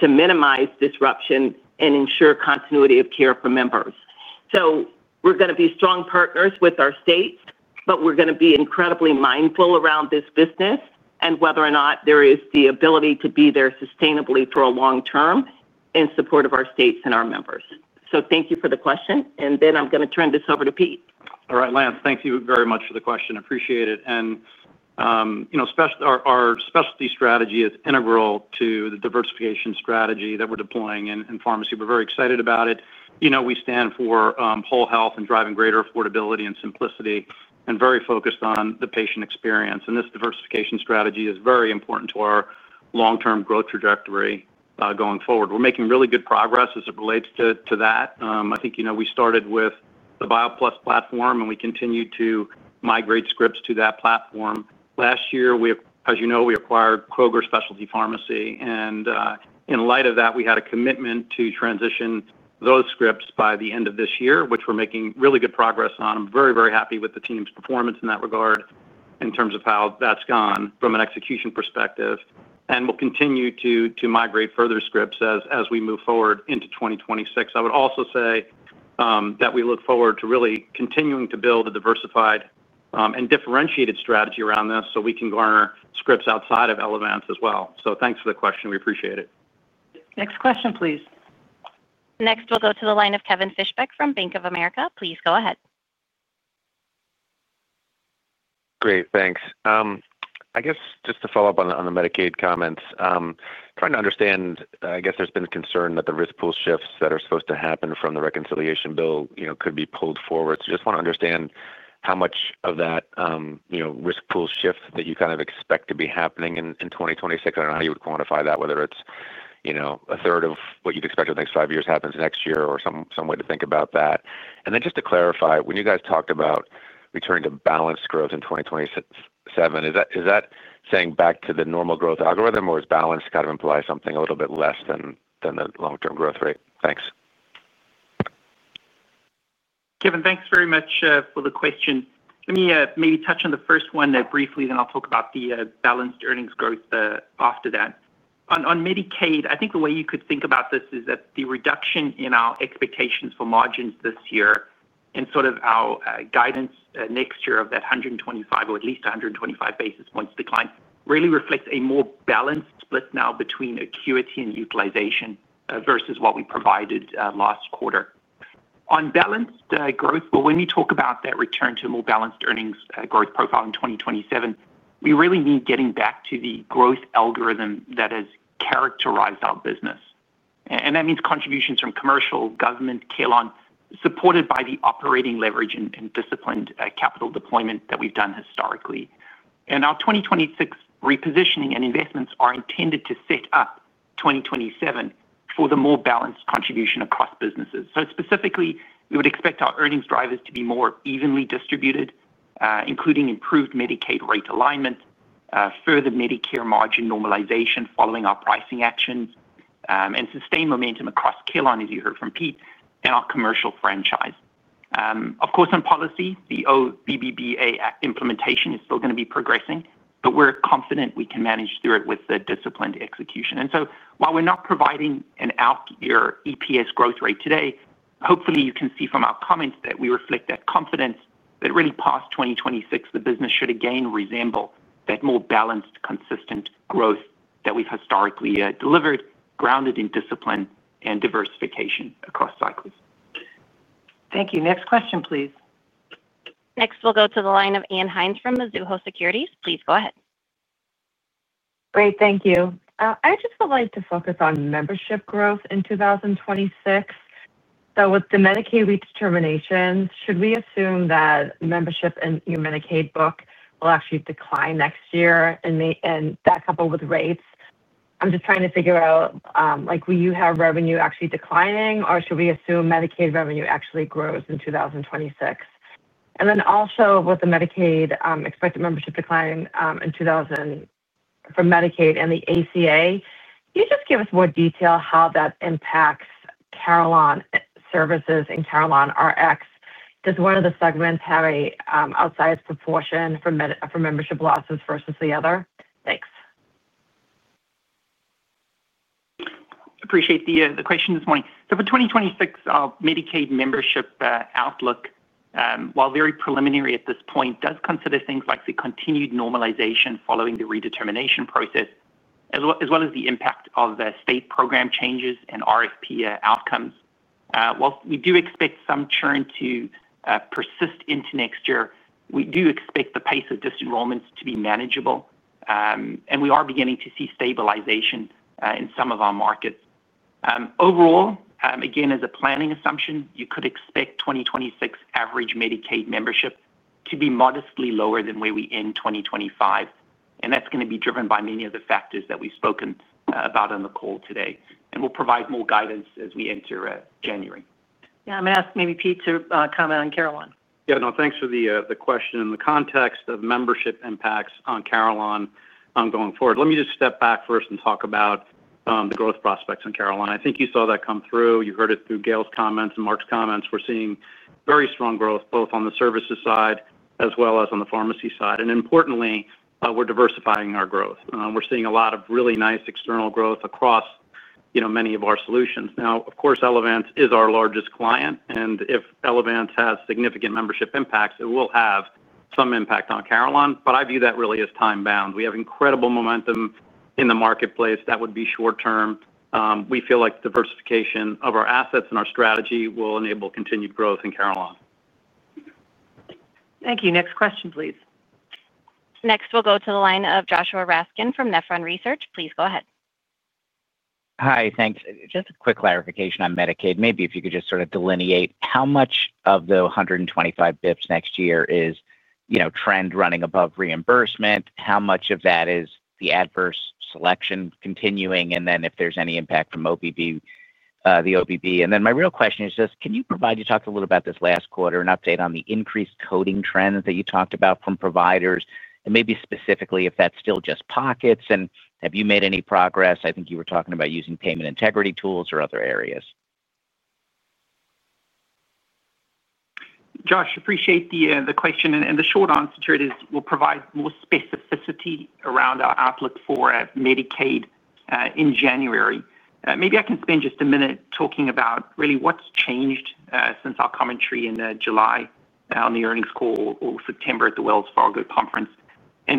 to minimize disruption and ensure continuity of care for members. We are going to be strong partners with our states, but we are going to be incredibly mindful around this business and whether or not there is the ability to be there sustainably for a long term in support of our states and our members. Thank you for the question. I'm going to turn this over to Pete. All right, Lance, thank you very much for the question. Appreciate it. Our specialty strategy is integral to the diversification strategy that we're deploying in pharmacy. We're very excited about it. We stand for whole health and driving greater affordability and simplicity and are very focused on the patient experience. This diversification strategy is very important to our long-term growth trajectory going forward. We're making really good progress as it relates to that. I think we started with the BioPlus platform and we continue to migrate scripts to that platform. Last year, as you know, we acquired Kroger Specialty Pharmacy. In light of that, we had a commitment to transition those scripts by the end of this year, which we're making really good progress on. I'm very, very happy with the team's performance in that regard in terms of how that's gone from an execution perspective. We'll continue to migrate further scripts as we move forward into 2026. I would also say that we look forward to really continuing to build a diversified and differentiated strategy around this so we can garner scripts outside of Elevance Health as well. Thanks for the question. We appreciate it. Next question, please. Next, we'll go to the line of Kevin Fischbeck from Bank of America. Please go ahead. Great, thanks. I guess just to follow up on the Medicaid comments, trying to understand, I guess there's been concern that the risk pool shifts that are supposed to happen from the reconciliation bill could be pulled forward. I just want to understand how much of that risk pool shift that you kind of expect to be happening in 2026. I don't know how you would quantify that, whether it's a third of what you'd expect over the next five years happens next year or some way to think about that. Then just to clarify, when you guys talked about returning to balanced growth in 2027, is that saying back to the normal growth algorithm or is balance kind of imply something a little bit less than the long-term growth rate? Thanks. Kevin, thanks very much for the question. Let me maybe touch on the first one briefly, then I'll talk about the balanced earnings growth after that. On Medicaid, I think the way you could think about this is that the reduction in our expectations for margins this year and sort of our guidance next year of that 125 basis points or at least 125 basis points decline really reflects a more balanced split now between acuity and utilization versus what we provided last quarter. On balanced growth, when we talk about that return to a more balanced earnings growth profile in 2027, we really mean getting back to the growth algorithm that has characterized our business. That means contributions from commercial, government, Carelon, supported by the operating leverage and disciplined capital deployment that we've done historically. Our 2026 repositioning and investments are intended to set up 2027 for the more balanced contribution across businesses. Specifically, we would expect our earnings drivers to be more evenly distributed, including improved Medicaid rate alignment, further Medicare margin normalization following our pricing actions, and sustained momentum across Carelon, as you heard from Pete, and our commercial franchise. Of course, on policy, the OBBBA implementation is still going to be progressing, but we're confident we can manage through it with a disciplined execution. While we're not providing an out-year EPS growth rate today, hopefully you can see from our comments that we reflect that confidence that really past 2026, the business should again resemble that more balanced, consistent growth that we've historically delivered, grounded in discipline and diversification across cycles. Thank you. Next question, please. Next, we'll go to the line of Ann Hynes from Mizuho. Please go ahead. Great, thank you. I just would like to focus on membership growth in 2026. With the Medicaid re-verification, should we assume that membership in your Medicaid book will actually decline next year and back up with rates? I'm just trying to figure out, like, will you have revenue actually declining or should we assume Medicaid revenue actually grows in 2026? Also, with the Medicaid expected membership decline in 2024 for Medicaid and the ACA, can you just give us more detail how that impacts Carelon Services and CarelonRx? Does one of the segments have an outsized proportion for membership losses versus the other? Thanks. Appreciate the question this morning. For 2026, our Medicaid membership outlook, while very preliminary at this point, does consider things like the continued normalization following the redetermination process, as well as the impact of state program changes and RFP outcomes. Whilst we do expect some churn to persist into next year, we do expect the pace of disenrollments to be manageable, and we are beginning to see stabilization in some of our markets. Overall, again, as a planning assumption, you could expect 2026 average Medicaid membership to be modestly lower than where we end 2025. That is going to be driven by many of the factors that we've spoken about on the call today. We'll provide more guidance as we enter January. Yeah, I'm going to ask maybe Pete to comment on Carelon. Yeah, no, thanks for the question. In the context of membership impacts on Carelon going forward, let me just step back first and talk about the growth prospects on Carelon. I think you saw that come through. You heard it through Gail's comments and Mark's comments. We're seeing very strong growth both on the services side as well as on the pharmacy side. Importantly, we're diversifying our growth. We're seeing a lot of really nice external growth across, you know, many of our solutions. Now, of course, Elevance is our largest client. If Elevance has significant membership impacts, it will have some impact on Carelon. I view that really as time-bound. We have incredible momentum in the marketplace that would be short-term. We feel like diversification of our assets and our strategy will enable continued growth in Carelon. Thank you. Next question, please. Next, we'll go to the line of Joshua Raskin from Nephron Research. Please go ahead. Hi, thanks. Just a quick clarification on Medicaid. Maybe if you could just sort of delineate how much of the 125 basis points next year is, you know, trend running above reimbursement, how much of that is the adverse selection continuing, and then if there's any impact from the OBB. My real question is just, can you provide, you talked a little about this last quarter, an update on the increased coding trends that you talked about from providers? Maybe specifically if that's still just pockets and have you made any progress? I think you were talking about using payment integrity tools or other areas. Josh, I appreciate the question. The short answer to it is we'll provide more specificity around our outlook for Medicaid in January. Maybe I can spend just a minute talking about really what's changed since our commentary in July on the earnings call or September at the Wells Fargo conference.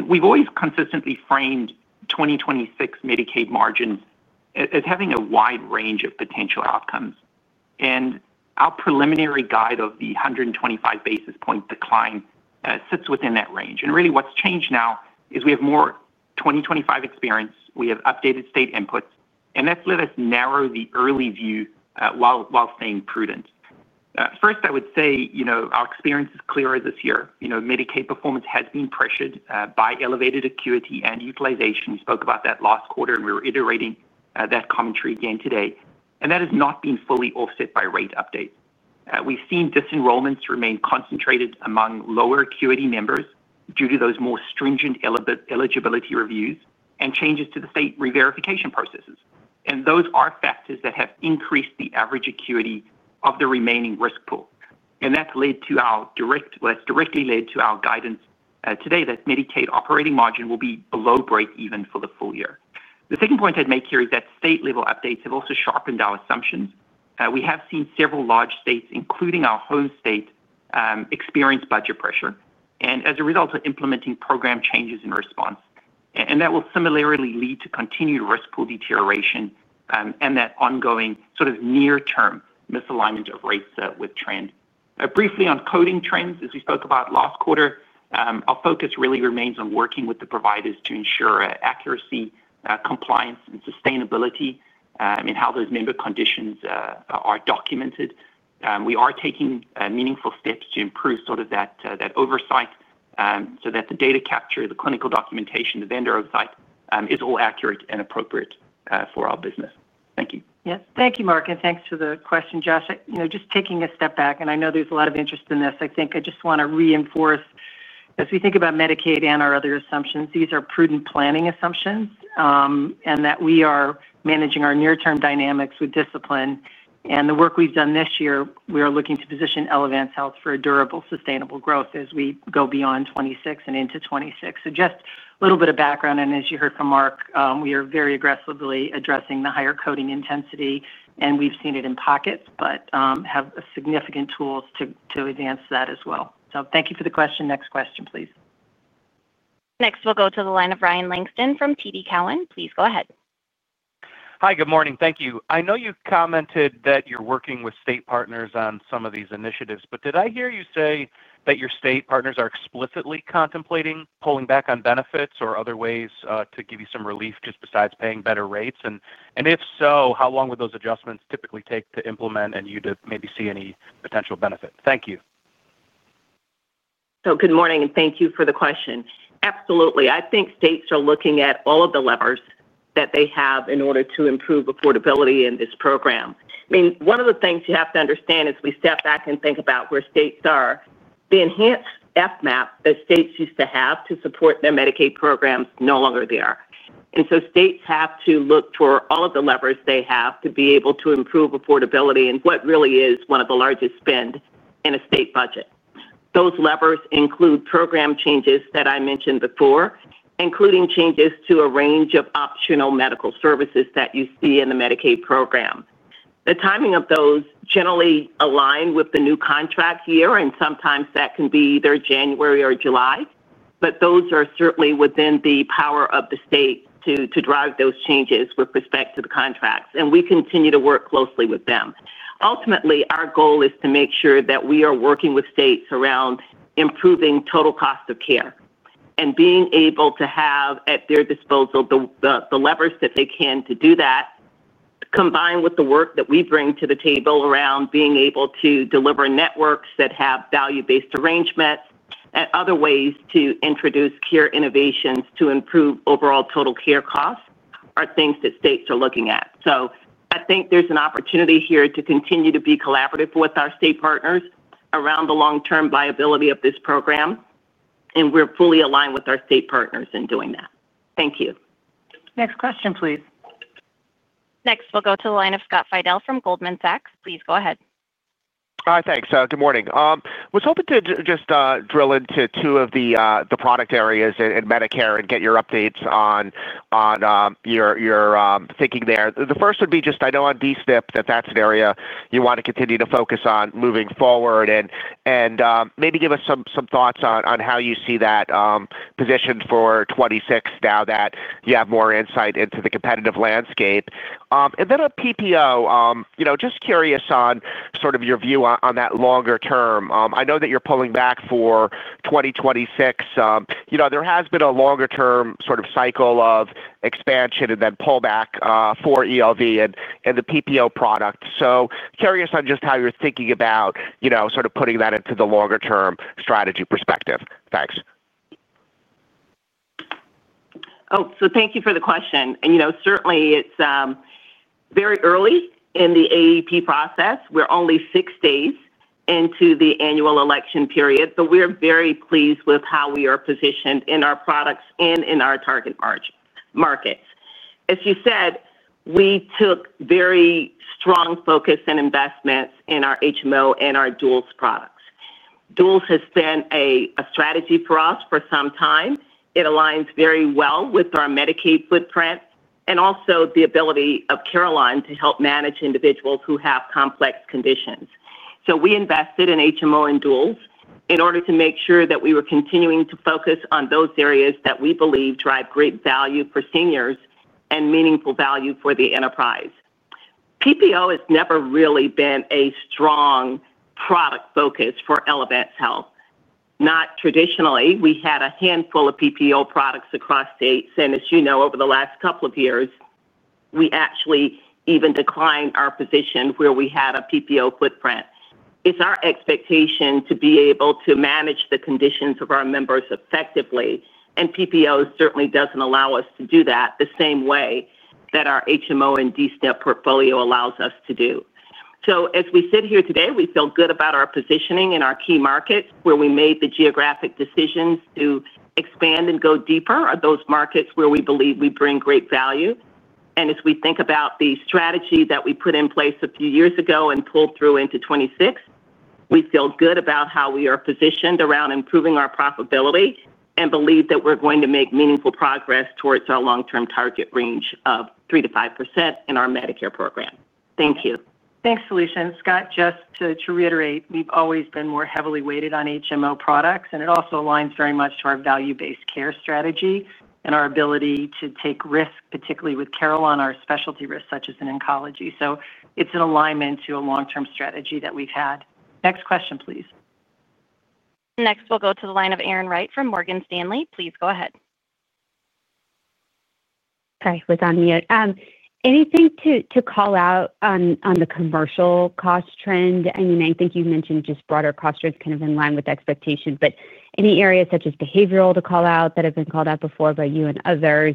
We've always consistently framed 2026 Medicaid margins as having a wide range of potential outcomes. Our preliminary guide of the 125 basis point decline sits within that range. Really what's changed now is we have more 2025 experience, we have updated state inputs, and that's let us narrow the early view while staying prudent. First, I would say our experience is clearer this year. Medicaid performance has been pressured by elevated acuity and utilization. We spoke about that last quarter and we were iterating that commentary again today. That has not been fully offset by rate updates. We've seen disenrollments remain concentrated among lower acuity members due to those more stringent eligibility reviews and changes to the state re-verification processes. Those are factors that have increased the average acuity of the remaining risk pool. That's directly led to our guidance today that Medicaid operating margin will be below break even for the full year. The second point I'd make here is that state-level updates have also sharpened our assumptions. We have seen several large states, including our home state, experience budget pressure as a result of implementing program changes in response. That will similarly lead to continued risk pool deterioration and that ongoing sort of near-term misalignment of rates with trend. Briefly on coding trends, as we spoke about last quarter, our focus really remains on working with the providers to ensure accuracy, compliance, and sustainability in how those member conditions are documented. We are taking meaningful steps to improve that oversight so that the data capture, the clinical documentation, the vendor oversight is all accurate and appropriate for our business. Thank you. Yes, thank you, Mark, and thanks for the question, Josh. Just taking a step back, and I know there's a lot of interest in this, I think I just want to reinforce as we think about Medicaid and our other assumptions, these are prudent planning assumptions and that we are managing our near-term dynamics with discipline. The work we've done this year, we are looking to position Elevance Health for a durable, sustainable growth as we go beyond 2026 and into 2026. Just a little bit of background. As you heard from Mark, we are very aggressively addressing the higher coding intensity, and we've seen it in pockets, but have significant tools to advance that as well. Thank you for the question. Next question, please. Next, we'll go to the line of Ryan Langston from TD Cowen. Please go ahead. Hi, good morning. Thank you. I know you commented that you're working with state partners on some of these initiatives. Did I hear you say that your state partners are explicitly contemplating pulling back on benefits or other ways to give you some relief just besides paying better rates? If so, how long would those adjustments typically take to implement and you to maybe see any potential benefit? Thank you. Good morning and thank you for the question. Absolutely. I think states are looking at all of the levers that they have in order to improve affordability in this program. One of the things you have to understand is, as we step back and think about where states are, the enhanced FMAP that states used to have to support their Medicaid programs is no longer there. States have to look for all of the levers they have to be able to improve affordability in what really is one of the largest spends in a state budget. Those levers include program changes that I mentioned before, including changes to a range of optional medical services that you see in the Medicaid program. The timing of those generally aligns with the new contract year, and sometimes that can be either January or July, but those are certainly within the power of the state to drive those changes with respect to the contracts. We continue to work closely with them. Ultimately, our goal is to make sure that we are working with states around improving total cost of care and being able to have at their disposal the levers that they can to do that, combined with the work that we bring to the table around being able to deliver networks that have value-based arrangements and other ways to introduce care innovations to improve overall total care costs. These are things that states are looking at. I think there's an opportunity here to continue to be collaborative with our state partners around the long-term viability of this program, and we're fully aligned with our state partners in doing that. Thank you. Next question, please. Next, we'll go to the line of Scott Fidel from Goldman Sachs. Please go ahead. Hi, thanks. Good morning. I was hoping to just drill into two of the product areas in Medicare and get your updates on your thinking there. The first would be just, I know on D-SNP that that's an area you want to continue to focus on moving forward and maybe give us some thoughts on how you see that positioned for 2026 now that you have more insight into the competitive landscape. Then on PPO, you know, just curious on sort of your view on that longer term. I know that you're pulling back for 2026. There has been a longer term sort of cycle of expansion and then pullback for Elevance Health and the PPO product. Curious on just how you're thinking about, you know, sort of putting that into the longer term strategy perspective. Thanks. Thank you for the question. It is very early in the AEP process. We're only six days into the annual election period, but we're very pleased with how we are positioned in our products and in our target markets. As you said, we took very strong focus and investments in our HMO and our Duals products. Duals has been a strategy for us for some time. It aligns very well with our Medicaid footprint and also the ability of Carelon to help manage individuals who have complex conditions. We invested in HMO and Duals in order to make sure that we were continuing to focus on those areas that we believe drive great value for seniors and meaningful value for the enterprise. PPO has never really been a strong product focus for Elevance Health. Not traditionally, we had a handful of PPO products across states. Over the last couple of years, we actually even declined our position where we had a PPO footprint. It is our expectation to be able to manage the conditions of our members effectively, and PPO certainly doesn't allow us to do that the same way that our HMO and D-SNP portfolio allows us to do. As we sit here today, we feel good about our positioning in our key markets where we made the geographic decisions to expand and go deeper are those markets where we believe we bring great value. As we think about the strategy that we put in place a few years ago and pulled through into 2026, we feel good about how we are positioned around improving our profitability and believe that we're going to make meaningful progress towards our long-term target range of 3%-5% in our Medicare program. Thank you. Thanks, Felicia. Scott, just to reiterate, we've always been more heavily weighted on HMO products, and it also aligns very much to our value-based care strategy and our ability to take risk, particularly with Carelon, our specialty risks such as in oncology. It is an alignment to a long-term strategy that we've had. Next question, please. Next, we'll go to the line of Erin Wright from Morgan Stanley. Please go ahead. Sorry, I was on mute. Anything to call out on the commercial cost trend? I mean, I think you mentioned just broader cost trends kind of in line with expectations, but any areas such as behavioral to call out that have been called out before by you and others?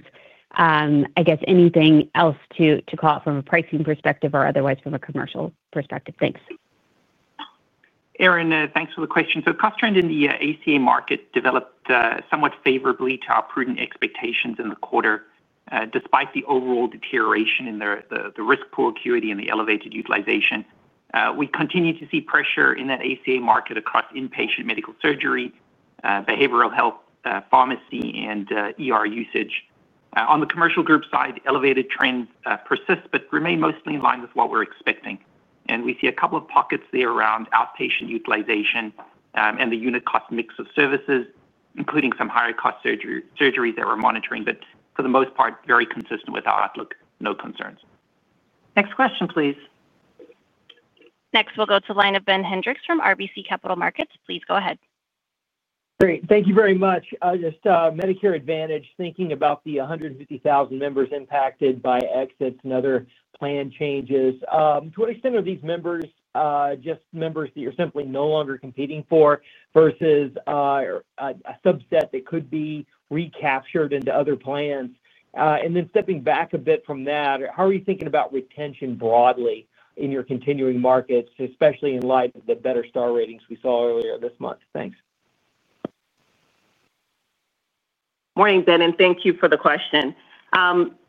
I guess anything else to call out from a pricing perspective or otherwise from a commercial perspective? Thanks. Erin, thanks for the question. Cost trend in the ACA market developed somewhat favorably to our prudent expectations in the quarter, despite the overall deterioration in the risk pool acuity and the elevated utilization. We continue to see pressure in that ACA market across inpatient medical surgery, behavioral health, pharmacy, and usage. On the commercial group side, elevated trends persist but remain mostly in line with what we're expecting. We see a couple of pockets there around outpatient utilization and the unit cost mix of services, including some higher cost surgeries that we're monitoring, but for the most part, very consistent with our outlook. No concerns. Next question, please. Next, we'll go to the line of Ben Hendrix from RBC Capital Markets. Please go ahead. Great, thank you very much. Just Medicare Advantage, thinking about the 150,000 members impacted by exits and other plan changes. To what extent are these members just members that you're simply no longer competing for versus a subset that could be recaptured into other plans? Stepping back a bit from that, how are you thinking about retention broadly in your continuing markets, especially in light of the better STAR ratings we saw earlier this month? Thanks. Morning, Ben, and thank you for the question.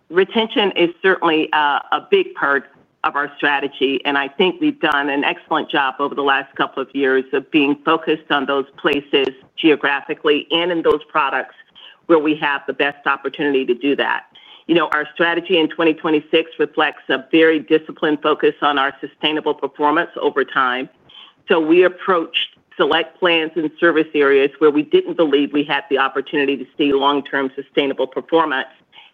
Retention is certainly a big part of our strategy, and I think we've done an excellent job over the last couple of years of being focused on those places geographically and in those products where we have the best opportunity to do that. Our strategy in 2026 reflects a very disciplined focus on our sustainable performance over time. We approached select plans and service areas where we didn't believe we had the opportunity to see long-term sustainable performance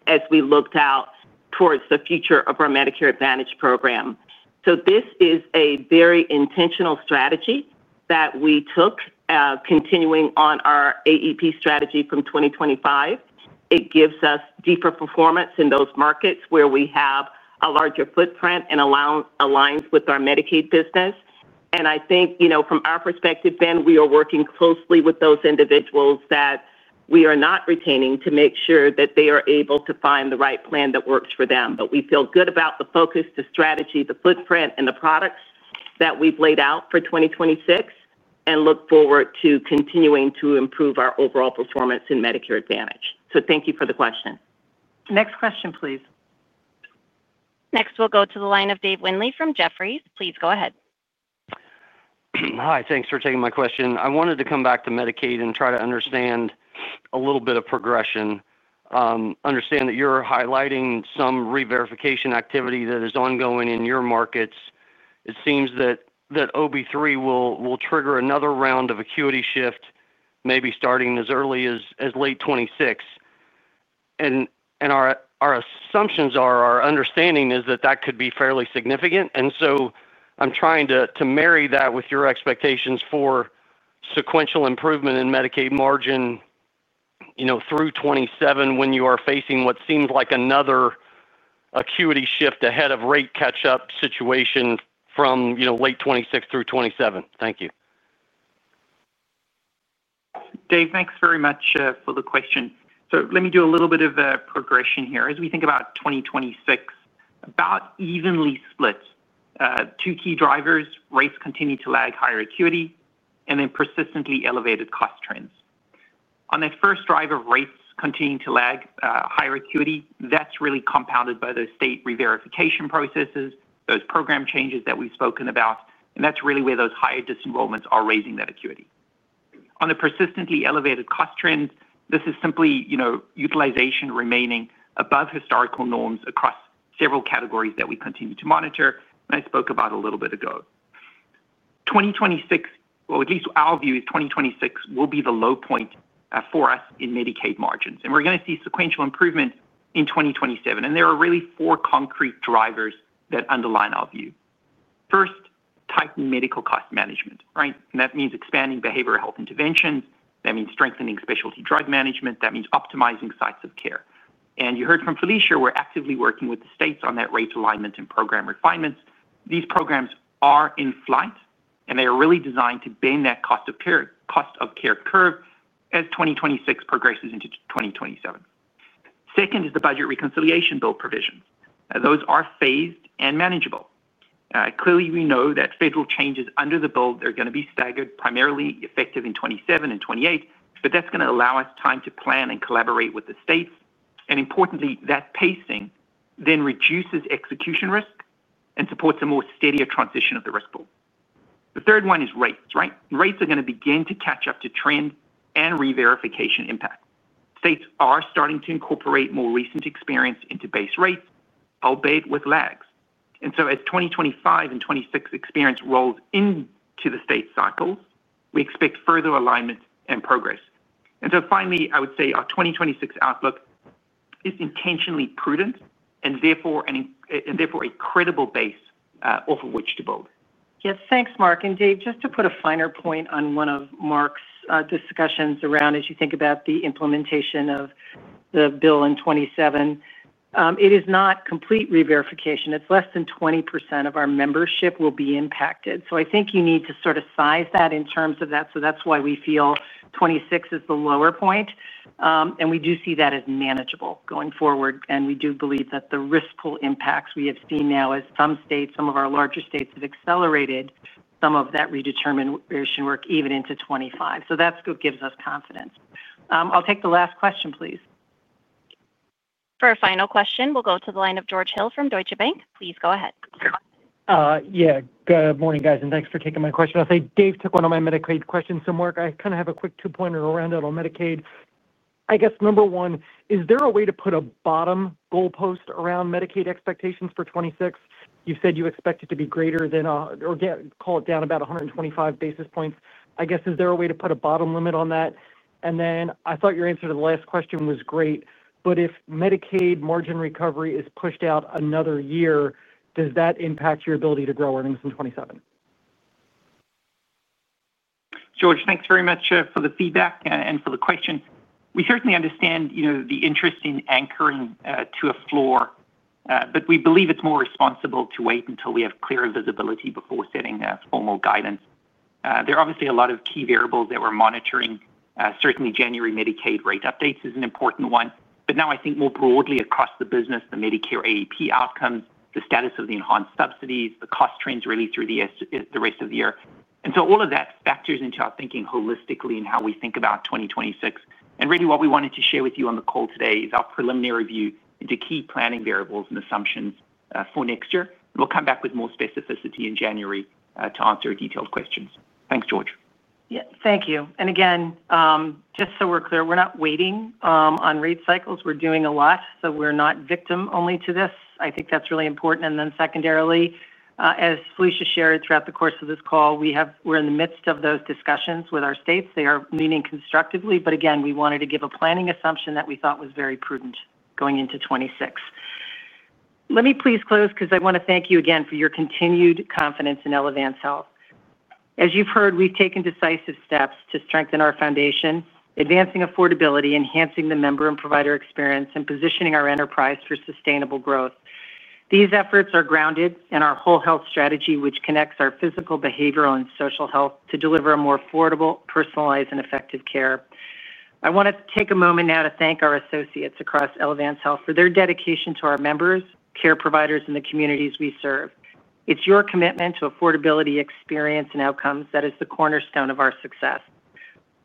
as we looked out towards the future of our Medicare Advantage program. This is a very intentional strategy that we took, continuing on our AEP strategy from 2025. It gives us deeper performance in those markets where we have a larger footprint and aligns with our Medicaid business. I think, from our perspective, Ben, we are working closely with those individuals that we are not retaining to make sure that they are able to find the right plan that works for them. We feel good about the focus, the strategy, the footprint, and the products that we've laid out for 2026 and look forward to continuing to improve our overall performance in Medicare Advantage. Thank you for the question. Next question, please. Next, we'll go to the line of Dave Windley from Jefferies. Please go ahead. Hi, thanks for taking my question. I wanted to come back to Medicaid and try to understand a little bit of progression. I understand that you're highlighting some Medicaid re-verification activity that is ongoing in your markets. It seems that OBBB will trigger another round of acuity shift, maybe starting as early as late 2026. Our assumptions are, our understanding is that that could be fairly significant. I'm trying to marry that with your expectations for sequential improvement in Medicaid margins through 2027 when you are facing what seems like another acuity shift ahead of a rate catch-up situation from late 2026 through 2027. Thank you. Dave, thanks very much for the question. Let me do a little bit of a progression here. As we think about 2026, about evenly split, two key drivers: rates continue to lag higher acuity and then persistently elevated cost trends. On that first driver, rates continuing to lag higher acuity, that's really compounded by those state Medicaid re-verifications, those program changes that we've spoken about, and that's really where those higher disenrollments are raising that acuity. On the persistently elevated cost trends, this is simply utilization remaining above historical norms across several categories that we continue to monitor and I spoke about a little bit ago. 2026, or at least our view is 2026 will be the low point for us in Medicaid margins. We're going to see sequential improvement in 2027. There are really four concrete drivers that underline our view. First, tightening medical cost management, right? That means expanding behavioral health interventions. That means strengthening specialty drug management. That means optimizing sites of care. You heard from Felicia, we're actively working with the states on that rate alignment and program refinements. These programs are in flight and they are really designed to bend that cost of care curve as 2026 progresses into 2027. Second is the budget reconciliation bill provisions. Those are phased and manageable. Clearly, we know that federal changes under the bill are going to be staggered, primarily effective in 2027 and 2028, but that's going to allow us time to plan and collaborate with the states. Importantly, that pacing then reduces execution risk and supports a more steady transition of the risk pool. The third one is rates, right? Rates are going to begin to catch up to trend and re-verification impact. States are starting to incorporate more recent experience into base rates, albeit with lags. As 2025 and 2026 experience rolls into the state cycles, we expect further alignment and progress. Finally, I would say our 2026 outlook is intentionally prudent and therefore a credible base off of which to build. Yes, thanks, Mark. Dave, just to put a finer point on one of Mark's discussions around as you think about the implementation of the bill in 2027, it is not complete re-verification. It's less than 20% of our membership will be impacted. I think you need to sort of size that in terms of that. That's why we feel 2026 is the lower point. We do see that as manageable going forward. We do believe that the risk pool impacts we have seen now as some states, some of our larger states, have accelerated some of that redetermination work even into 2025. That gives us confidence. I'll take the last question, please. For a final question, we'll go to the line of George Hill from Deutsche Bank. Please go ahead. Yeah, good morning guys, and thanks for taking my question. I'll say Dave took one of my Medicaid questions. So Mark, I kind of have a quick two-pointer around it on Medicaid. I guess number one, is there a way to put a bottom goalpost around Medicaid expectations for 2026? You said you expect it to be greater than, or call it down about 125 basis points. I guess is there a way to put a bottom limit on that? I thought your answer to the last question was great, but if Medicaid margin recovery is pushed out another year, does that impact your ability to grow earnings in 2027? George, thanks very much for the feedback and for the question. We certainly understand the interest in anchoring to a floor, but we believe it's more responsible to wait until we have clear visibility before setting formal guidance. There are obviously a lot of key variables that we're monitoring. Certainly, January Medicaid rate updates is an important one. I think more broadly across the business, the Medicare AEP outcomes, the status of the enhanced subsidies, the cost trends really through the rest of the year. All of that factors into our thinking holistically and how we think about 2026. What we wanted to share with you on the call today is our preliminary view into key planning variables and assumptions for next year. We'll come back with more specificity in January to answer detailed questions. Thanks, George. Thank you. Just so we're clear, we're not waiting on rate cycles. We're doing a lot. We're not victim only to this. I think that's really important. Secondarily, as Felicia shared throughout the course of this call, we're in the midst of those discussions with our states. They are leaning constructively, but we wanted to give a planning assumption that we thought was very prudent going into 2026. Let me please close because I want to thank you again for your continued confidence in Elevance Health. As you've heard, we've taken decisive steps to strengthen our foundation, advancing affordability, enhancing the member and provider experience, and positioning our enterprise for sustainable growth. These efforts are grounded in our whole health strategy, which connects our physical, behavioral, and social health to deliver a more affordable, personalized, and effective care. I want to take a moment now to thank our associates across Elevance Health for their dedication to our members, care providers, and the communities we serve. It's your commitment to affordability, experience, and outcomes that is the cornerstone of our success.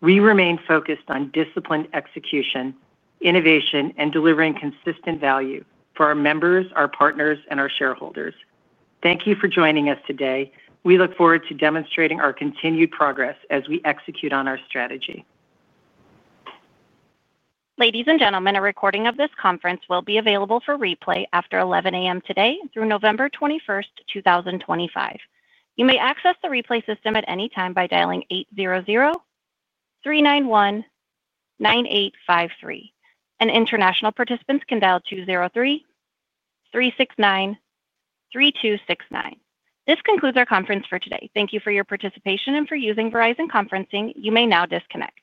We remain focused on disciplined execution, innovation, and delivering consistent value for our members, our partners, and our shareholders. Thank you for joining us today. We look forward to demonstrating our continued progress as we execute on our strategy. Ladies and gentlemen, a recording of this conference will be available for replay after 11:00 A.M. today through November 21st, 2025. You may access the replay system at any time by dialing 800-391-9853. International participants can dial 203-369-3269. This concludes our conference for today. Thank you for your participation and for using Verizon Conferencing. You may now disconnect.